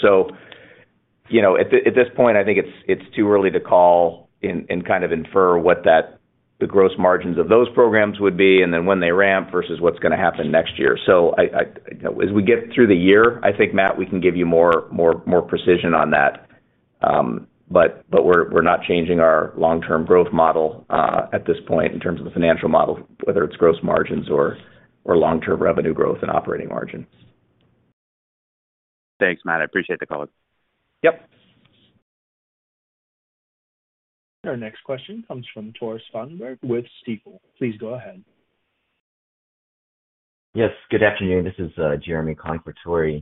You know, at this point, I think it's too early to call and kind of infer what that, the gross margins of those programs would be and then when they ramp versus what's gonna happen next year. I, as we get through the year, I think, Matt, we can give you more precision on that. We're not changing our long-term growth model at this point in terms of the financial model, whether it's gross margins or long-term revenue growth and operating margins. Thanks, Matt. I appreciate the color. Yep. Our next question comes from Tore Svanberg with Stifel. Please go ahead. Yes, good afternoon. This is Jeremy Kwan for Tore.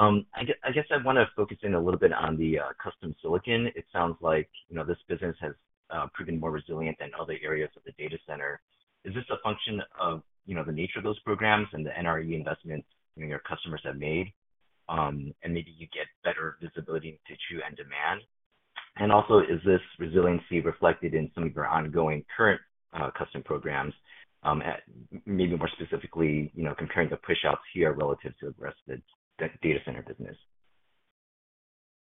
I guess I wanna focus in a little bit on the custom silicon. It sounds like, you know, this business has proven more resilient than other areas of the data center. Is this a function of, you know, the nature of those programs and the NRE investments, you know, your customers have made, and maybe you get better visibility into true end demand? Also, is this resiliency reflected in some of your ongoing current custom programs, at maybe more specifically, you know, comparing the pushouts here relative to the rest of the data center business?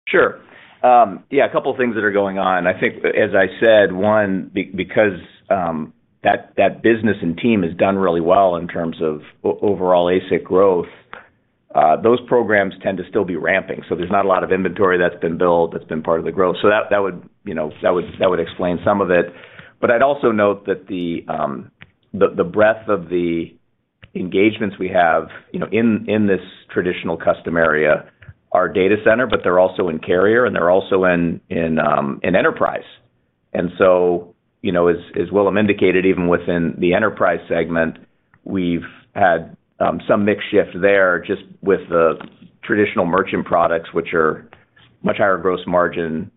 Sure. Yeah, a couple things that are going on. I think, as I said, one, because that business and team has done really well in terms of overall ASIC growth, those programs tend to still be ramping, there's not a lot of inventory that's been built that's been part of the growth. That would, you know, that would explain some of it. I'd also note that the breadth of the engagements we have, you know, in this traditional custom area are data center, but they're also in carrier, and they're also in enterprise. You know, as Willem indicated, even within the enterprise segment, we've had some mix shift there just with the traditional merchant products, which are much higher gross margin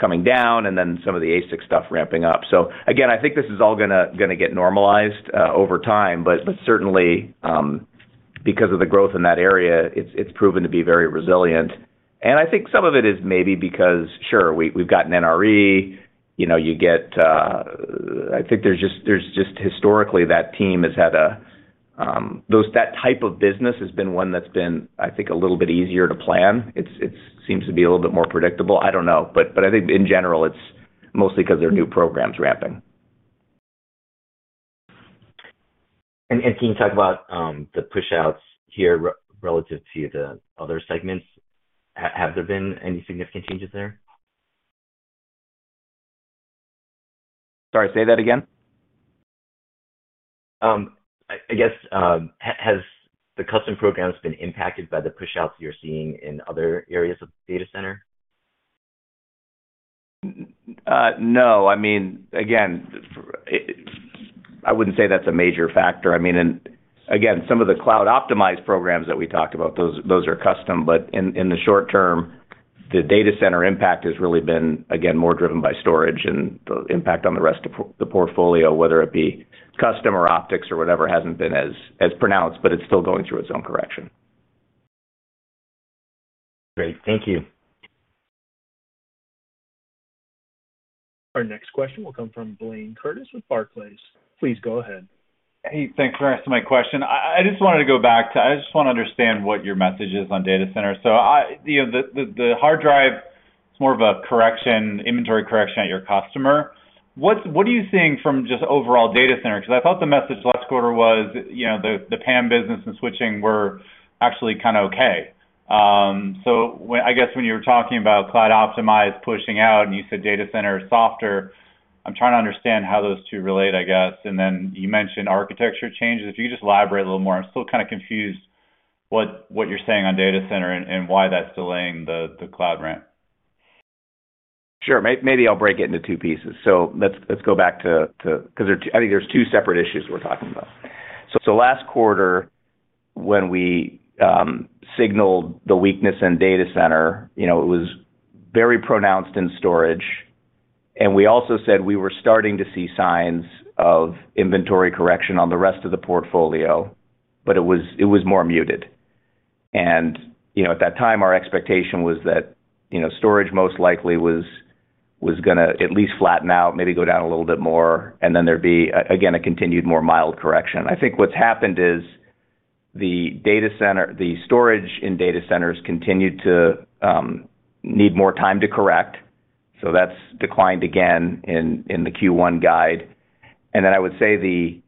coming down and then some of the ASIC stuff ramping up. Again, I think this is all gonna get normalized over time, but certainly, because of the growth in that area, it's proven to be very resilient. I think some of it is maybe because, sure, we've got NRE. You know, you get... I think there's just historically that team has had a that type of business has been one that's been, I think, a little bit easier to plan. It seems to be a little bit more predictable. I don't know. I think in general, it's mostly 'cause there are new programs ramping. Can you talk about the pushouts here relative to the other segments? Has there been any significant changes there? Sorry, say that again. I guess, has the custom programs been impacted by the pushouts you're seeing in other areas of data center? No. I mean, again, I wouldn't say that's a major factor. I mean, and again, some of the cloud optimized programs that we talked about, those are custom, but in the short term, the data center impact has really been, again, more driven by storage and the impact on the rest of the portfolio, whether it be custom or optics or whatever, hasn't been as pronounced, but it's still going through its own correction. Great. Thank you. Our next question will come from Blayne Curtis with Barclays. Please go ahead. Hey, thanks for answering my question. I just wanted to go back to, I just wanna understand what your message is on data center. I, you know, the, the hard drive is more of a correction, inventory correction at your customer. What are you seeing from just overall data center? 'Cause I thought the message last quarter was, you know, the PAM business and switching were actually kinda okay. When I guess when you were talking about cloud optimized pushing out and you said data center is softer, I'm trying to understand how those two relate, I guess. Then you mentioned architecture changes. If you could just elaborate a little more. I'm still kinda confused what you're saying on data center and why that's delaying the cloud ramp. Sure. Maybe I'll break it into two pieces. Let's go back to. 'Cause there's two separate issues we're talking about. Last quarter, when we signaled the weakness in data center, you know, it was very pronounced in storage, and we also said we were starting to see signs of inventory correction on the rest of the portfolio, but it was more muted. You know, at that time, our expectation was that, you know, storage most likely was gonna at least flatten out, maybe go down a little bit more, and then there'd be again a continued more mild correction. I think what's happened is the data center, the storage in data centers continued to need more time to correct. That's declined again in the Q1 guide. I would say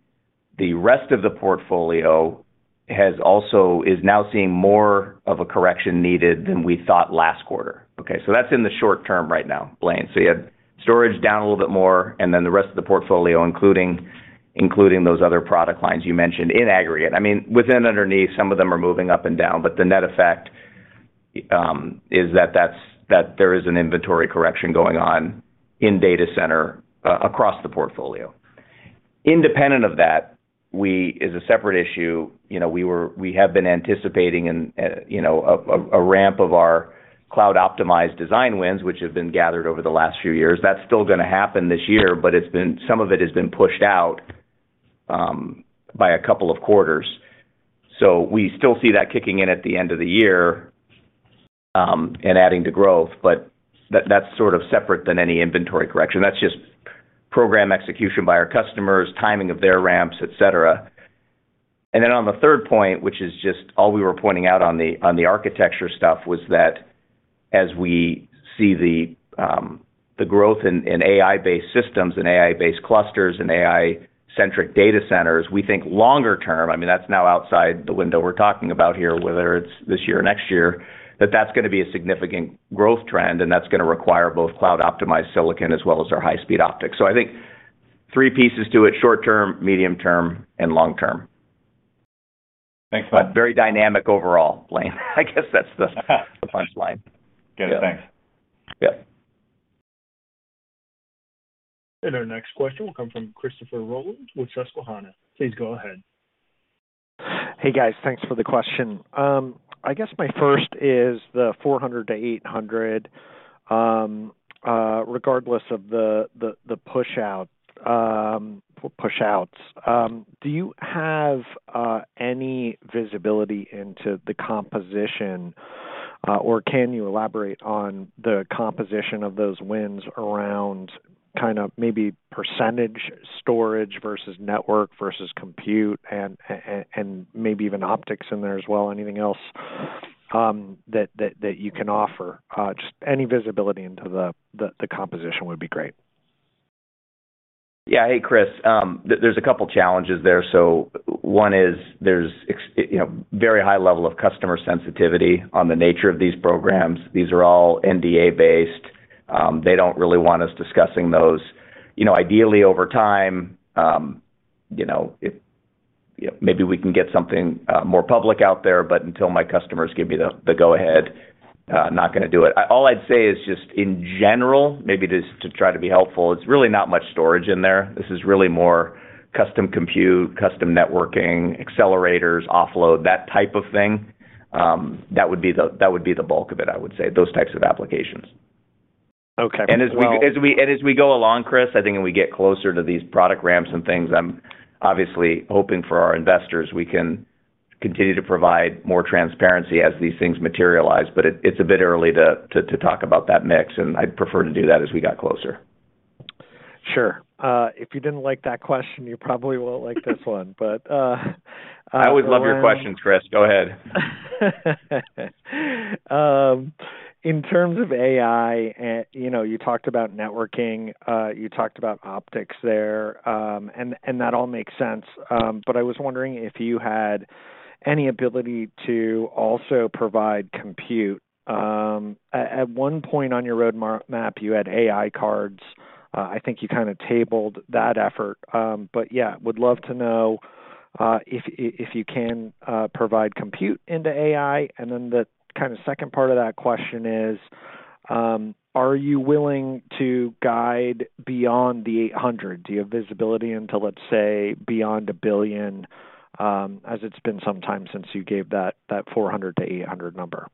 the rest of the portfolio is now seeing more of a correction needed than we thought last quarter. That's in the short term right now, Blayne. You had storage down a little bit more, and then the rest of the portfolio, including those other product lines you mentioned in aggregate. I mean, within underneath, some of them are moving up and down, but the net effect is that there is an inventory correction going on in data center across the portfolio. Independent of that, we, as a separate issue, you know, we have been anticipating and, you know, a ramp of our cloud-optimized design wins, which have been gathered over the last few years. That's still gonna happen this year, but it's been some of it has been pushed out by two quarters. We still see that kicking in at the end of the year and adding to growth. That's sort of separate than any inventory correction. That's just program execution by our customers, timing of their ramps, et cetera. On the third point, which is just all we were pointing out on the architecture stuff, was that as we see the growth in AI-based systems and AI-based clusters and AI-centric data centers, we think longer term, I mean, that's now outside the window we're talking about here, whether it's this year or next year, that's gonna be a significant growth trend, and that's gonna require both cloud-optimized silicon as well as our high-speed optics. I think three pieces to it: short term, medium term, and long term. Thanks, Matt. Very dynamic overall, Blayne. I guess that's the punchline. Good. Thanks. Yep. Our next question will come from Christopher Rolland with Susquehanna. Please go ahead. Hey, guys. Thanks for the question. I guess my first is the 400-800, regardless of the push-out, or push-outs. Do you have any visibility into the composition, or can you elaborate on the composition of those wins around kind of maybe percentage storage versus network versus compute and, maybe even optics in there as well? Anything else that you can offer? Just any visibility into the composition would be great. Yeah. Hey, Chris. There's a couple challenges there. One is, you know, very high level of customer sensitivity on the nature of these programs. These are all NDA-based. They don't really want us discussing those. You know, ideally, over time, you know, if maybe we can get something more public out there, but until my customers give me the go ahead, not gonna do it. All I'd say is, just in general, maybe just to try to be helpful, it's really not much storage in there. This is really more custom compute, custom networking, accelerators, offload, that type of thing. That would be the bulk of it, I would say, those types of applications. Okay. As we, and as we go along, Chris, I think when we get closer to these product ramps and things, I'm obviously hoping for our investors, we can continue to provide more transparency as these things materialize. It's a bit early to talk about that mix, and I'd prefer to do that as we got closer. Sure. If you didn't like that question, you probably will like this one. I always love your questions, Chris. Go ahead. In terms of AI, and you know, you talked about networking, you talked about optics there, and that all makes sense. I was wondering if you had any ability to also provide compute. At one point on your roadmap, you had AI cards. I think you kinda tabled that effort. Yeah, would love to know if you can provide compute into AI. The kinda second part of that question is, are you willing to guide beyond the 800? Do you have visibility into, let's say, beyond $1 billion, as it's been some time since you gave that $400-$800 number?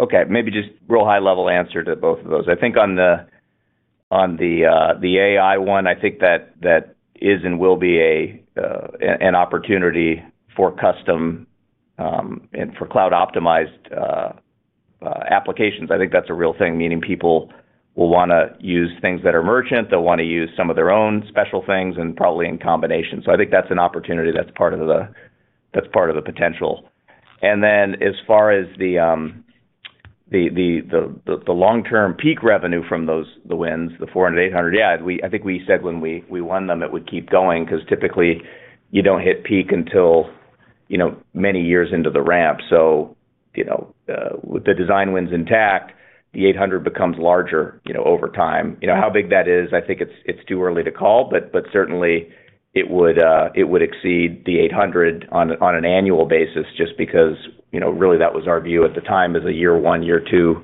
Okay, maybe just real high-level answer to both of those. I think on the AI one, I think that is and will be an opportunity for custom and for cloud-optimized applications. I think that's a real thing, meaning people will wanna use things that are merchant, they'll wanna use some of their own special things and probably in combination. I think that's an opportunity that's part of the potential. As far as the long-term peak revenue from those, the wins, the 400, 800, yeah, I think we said when we won them, it would keep going 'cause typically you don't hit peak until, you know, many years into the ramp. You know, with the design wins intact, the 800 becomes larger, you know, over time. You know, how big that is, I think it's too early to call, but certainly it would exceed the 800 on an annual basis just because, you know, really that was our view at the time as a year one, year two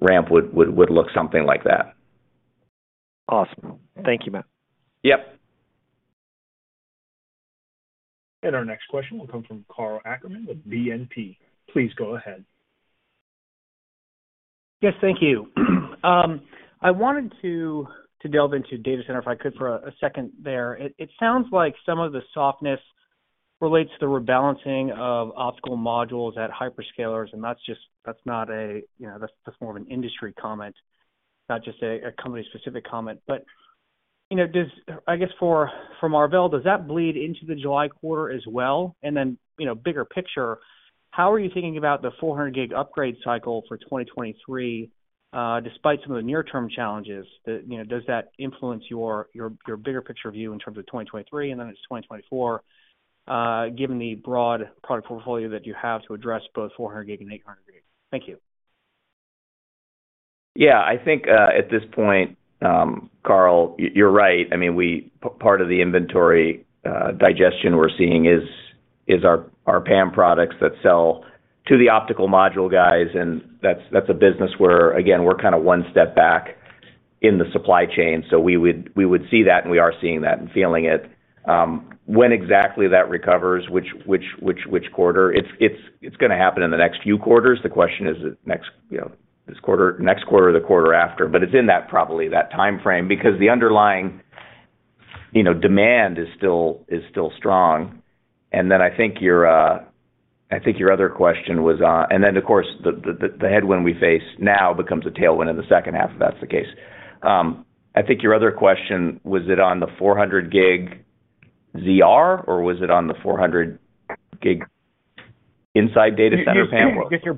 ramp would look something like that. Awesome. Thank you, Matt. Yep. Our next question will come from Karl Ackerman with BNP. Please go ahead. Yes, thank you. I wanted to delve into data center, if I could, for a second there. It sounds like some of the softness relates to the rebalancing of optical modules at hyperscalers, and that's not a, you know, that's more of an industry comment, not just a company-specific comment. You know, I guess for Marvell, does that bleed into the July quarter as well? You know, bigger picture. How are you thinking about the 400 gig upgrade cycle for 2023, despite some of the near-term challenges? You know, does that influence your bigger picture view in terms of 2023 and then into 2024, given the broad product portfolio that you have to address both 400 gig and 800 gig? Thank you. I think, at this point, Karl, you're right. I mean, part of the inventory digestion we're seeing is our PAM products that sell to the optical module guys, and that's a business where, again, we're kinda one step back in the supply chain. We would see that, and we are seeing that and feeling it. When exactly that recovers, which quarter, it's gonna happen in the next few quarters. The question is the next, you know, this quarter, next quarter or the quarter after. It's in that, probably that timeframe because the underlying, you know, demand is still strong. I think your other question was... Of course, the headwind we face now becomes a tailwind in the second half if that's the case. I think your other question, was it on the 400 gig ZR, or was it on the 400 gig inside data center PAM world? Just your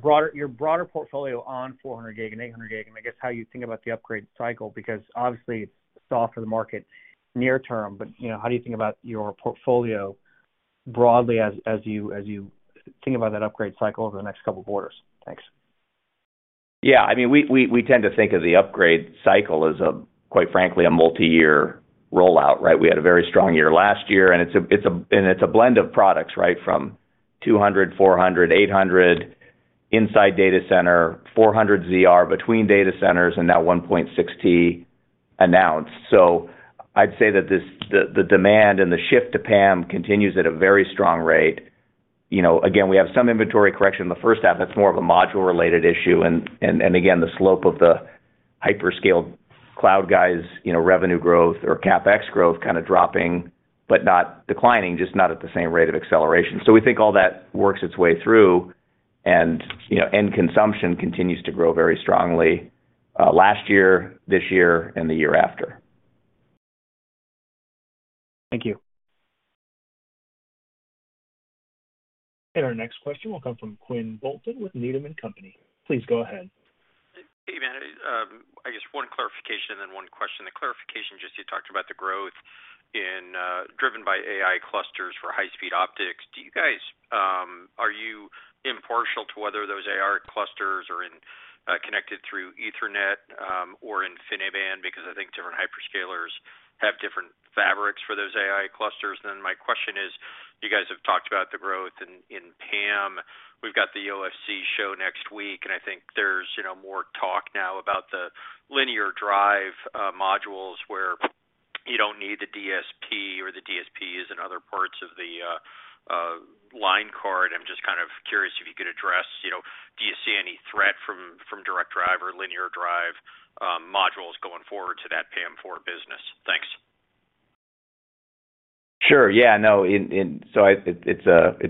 broader portfolio on 400 gig and 800 gig, and I guess how you think about the upgrade cycle. Obviously it's soft for the market near term, but, you know, how do you think about your portfolio broadly as you think about that upgrade cycle over the next couple of quarters? Thanks. Yeah. I mean, we tend to think of the upgrade cycle as a, quite frankly, a multiyear rollout, right? We had a very strong year last year, and it's a, and it's a blend of products, right? From 200, 400, 800 inside data center, 400 ZR between data centers and now 1.6T announced. I'd say that the demand and the shift to PAM continues at a very strong rate. You know, again, we have some inventory correction in the first half, that's more of a module-related issue and again, the slope of the hyperscale cloud guys', you know, revenue growth or CapEx growth kinda dropping, but not declining, just not at the same rate of acceleration. We think all that works its way through and, you know, end consumption continues to grow very strongly, last year, this year and the year after. Thank you. Our next question will come from Quinn Bolton with Needham & Company. Please go ahead. Hey, Matt. I guess one clarification and then one question. The clarification, just you talked about the growth driven by AI clusters for high-speed optics. Do you guys, are you impartial to whether those AI clusters are connected through Ethernet or InfiniBand? Because I think different hyperscalers have different fabrics for those AI clusters. My question is, you guys have talked about the growth in PAM. We've got the OFC show next week, and I think there's, you know, more talk now about the linear drive modules where you don't need the DSP or the DSPs in other parts of the line card. I'm just kind of curious if you could address, you know, do you see any threat from direct drive or linear drive modules going forward to that PAM4 business? Thanks. Sure. Yeah, no. It's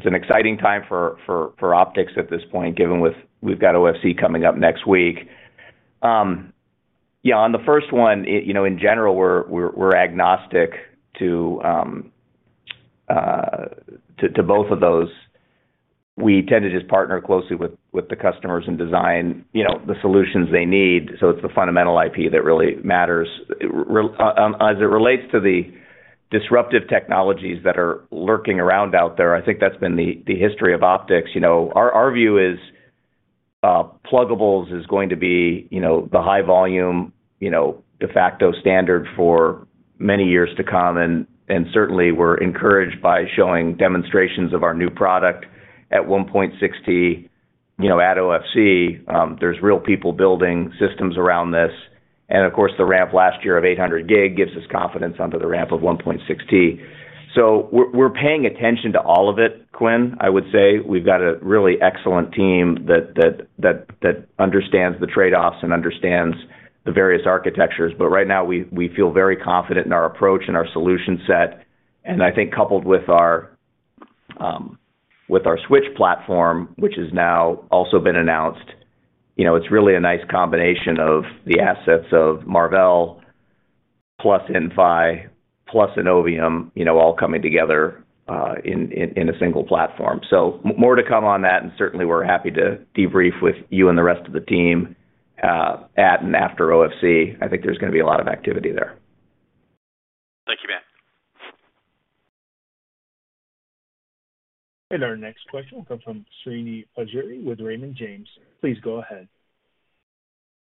an exciting time for optics at this point, given we've got OFC coming up next week. Yeah, on the first one, you know, in general, we're agnostic to both of those. We tend to just partner closely with the customers and design, you know, the solutions they need. It's the fundamental IP that really matters. As it relates to the disruptive technologies that are lurking around out there, I think that's been the history of optics. You know, our view is, pluggables is going to be, you know, the high volume, you know, de facto standard for many years to come. Certainly we're encouraged by showing demonstrations of our new product at 1.6T, you know, at OFC. There's real people building systems around this. Of course, the ramp last year of 800 gig gives us confidence onto the ramp of 1.6T. We're paying attention to all of it, Quinn. I would say we've got a really excellent team that understands the trade-offs and understands the various architectures. Right now, we feel very confident in our approach and our solution set. I think coupled with our switch platform, which has now also been announced, you know, it's really a nice combination of the assets of Marvell plus Inphi plus Innovium, you know, all coming together in a single platform. More to come on that, and certainly we're happy to debrief with you and the rest of the team at and after OFC. I think there's gonna be a lot of activity there. Thank you, Matt. Our next question will come from Srini Pajjuri with Raymond James. Please go ahead.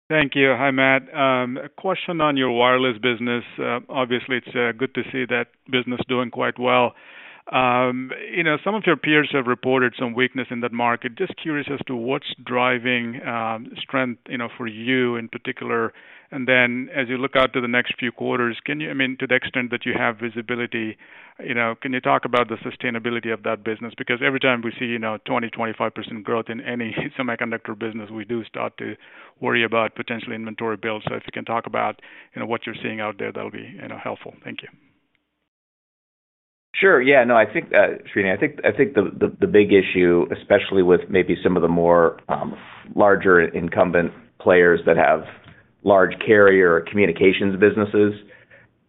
Thank you. Hi, Matt. A question on your wireless business. Obviously, it's good to see that business doing quite well. You know, some of your peers have reported some weakness in that market. Just curious as to what's driving strength, you know, for you in particular. As you look out to the next few quarters, I mean, to the extent that you have visibility, you know, can you talk about the sustainability of that business? Because every time we see, you know, 20%-25% growth in any semiconductor business, we do start to worry about potential inventory build. If you can talk about, you know, what you're seeing out there, that'll be, you know, helpful. Thank you. Sure. Yeah. No, I think, Srini, I think the big issue, especially with maybe some of the more larger incumbent players that have large carrier communications businesses.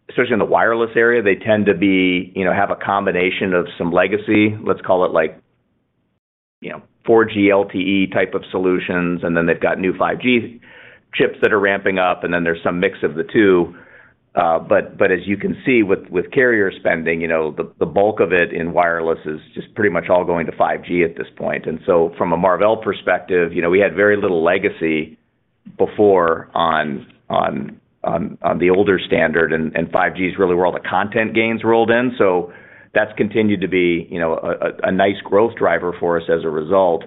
Especially in the wireless area, they tend to be, you know, have a combination of some legacy, let's call it like, you know, 4G LTE type of solutions, and then they've got new 5G chips that are ramping up, and then there's some mix of the two. But as you can see with carrier spending, you know, the bulk of it in wireless is just pretty much all going to 5G at this point. From a Marvell perspective, you know, we had very little legacy before on the older standard, and 5G is really where all the content gains rolled in. That's continued to be, you know, a nice growth driver for us as a result.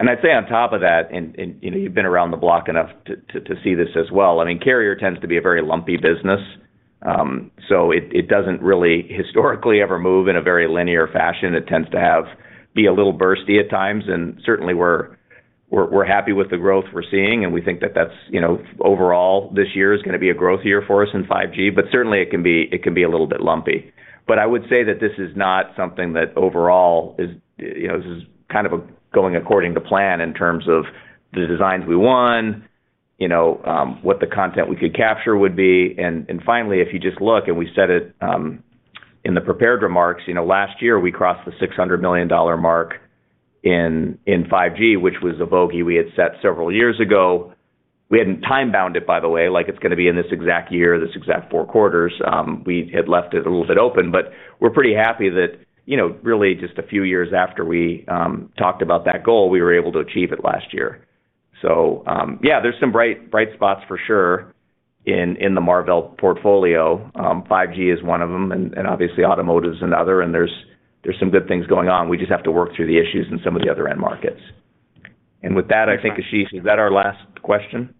I'd say on top of that, and, you know, you've been around the block enough to see this as well, I mean, carrier tends to be a very lumpy business. It doesn't really historically ever move in a very linear fashion. It tends to be a little bursty at times, and certainly we're happy with the growth we're seeing, and we think that that's, you know, overall this year is gonna be a growth year for us in 5G, but certainly it can be a little bit lumpy. I would say that this is not something that overall is, you know, this is kind of going according to plan in terms of the designs we won, you know, what the content we could capture would be. And finally, if you just look, and we said it, in the prepared remarks, you know, last year we crossed the $600 million mark in 5G, which was a bogey we had set several years ago. We hadn't time-bound it, by the way, like it's gonna be in this exact year, this exact four quarters. We had left it a little bit open, but we're pretty happy that, you know, really just a few years after we talked about that goal, we were able to achieve it last year. Yeah, there's some bright spots for sure in the Marvell portfolio. 5G is one of them, and obviously automotive is another, and there's some good things going on. We just have to work through the issues in some of the other end markets. With that, I think, Ashish, is that our last question?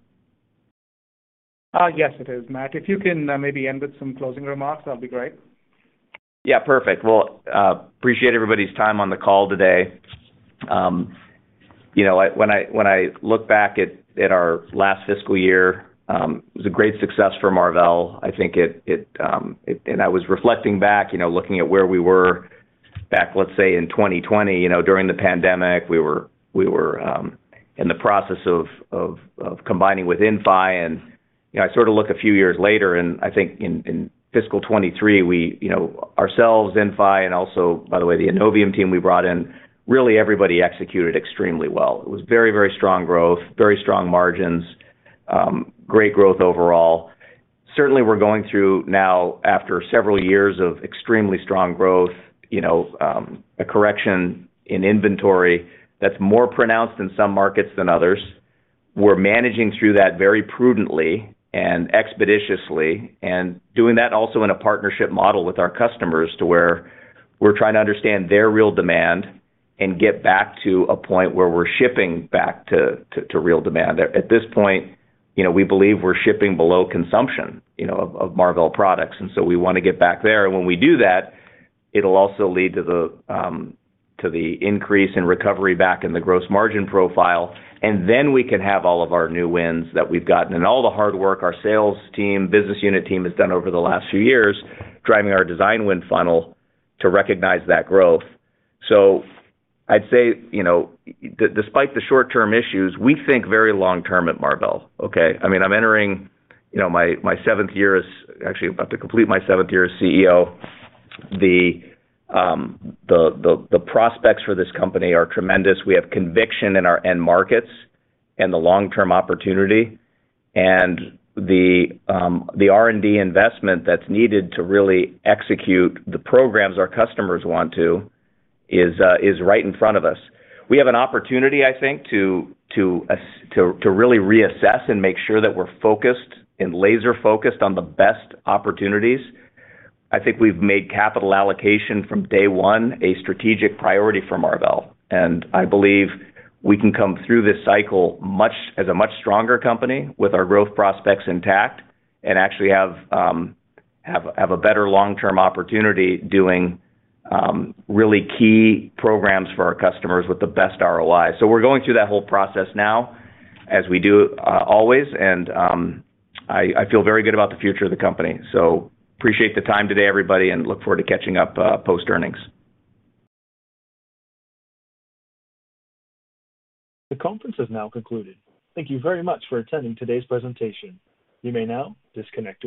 yes, it is, Matt. If you can, maybe end with some closing remarks, that'd be great. Yeah, perfect. Well, appreciate everybody's time on the call today. You know, when I look back at our last fiscal year, it was a great success for Marvell. I think. I was reflecting back, you know, looking at where we were back, let's say, in 2020, you know, during the pandemic, we were in the process of combining with Inphi. You know, I sort of look a few years later and I think in fiscal 2023, we, you know, ourselves, Inphi, and also, by the way, the Innovium team we brought in, really everybody executed extremely well. It was very strong growth, very strong margins, great growth overall. Certainly, we're going through now after several years of extremely strong growth, you know, a correction in inventory that's more pronounced in some markets than others. We're managing through that very prudently and expeditiously, and doing that also in a partnership model with our customers to where we're trying to understand their real demand and get back to a point where we're shipping back to real demand. At this point, you know, we believe we're shipping below consumption, you know, of Marvell products. We wanna get back there. When we do that, it'll also lead to the increase in recovery back in the gross margin profile, and then we can have all of our new wins that we've gotten and all the hard work our sales team, business unit team has done over the last few years, driving our design win funnel to recognize that growth. I'd say, you know, despite the short-term issues, we think very long term at Marvell, okay? I mean, I'm entering, you know, my seventh year as actually about to complete my seventh year as CEO. The prospects for this company are tremendous. We have conviction in our end markets and the long-term opportunity. The R&D investment that's needed to really execute the programs our customers want to is right in front of us. We have an opportunity, I think, to really reassess and make sure that we're focused and laser-focused on the best opportunities. I think we've made capital allocation from day one a strategic priority for Marvell, and I believe we can come through this cycle as a much stronger company with our growth prospects intact, and actually have a better long-term opportunity doing really key programs for our customers with the best ROI. We're going through that whole process now, as we do always, and I feel very good about the future of the company. Appreciate the time today, everybody, and look forward to catching up post-earnings. The conference has now concluded. Thank you very much for attending today's presentation. You may now disconnect your lines.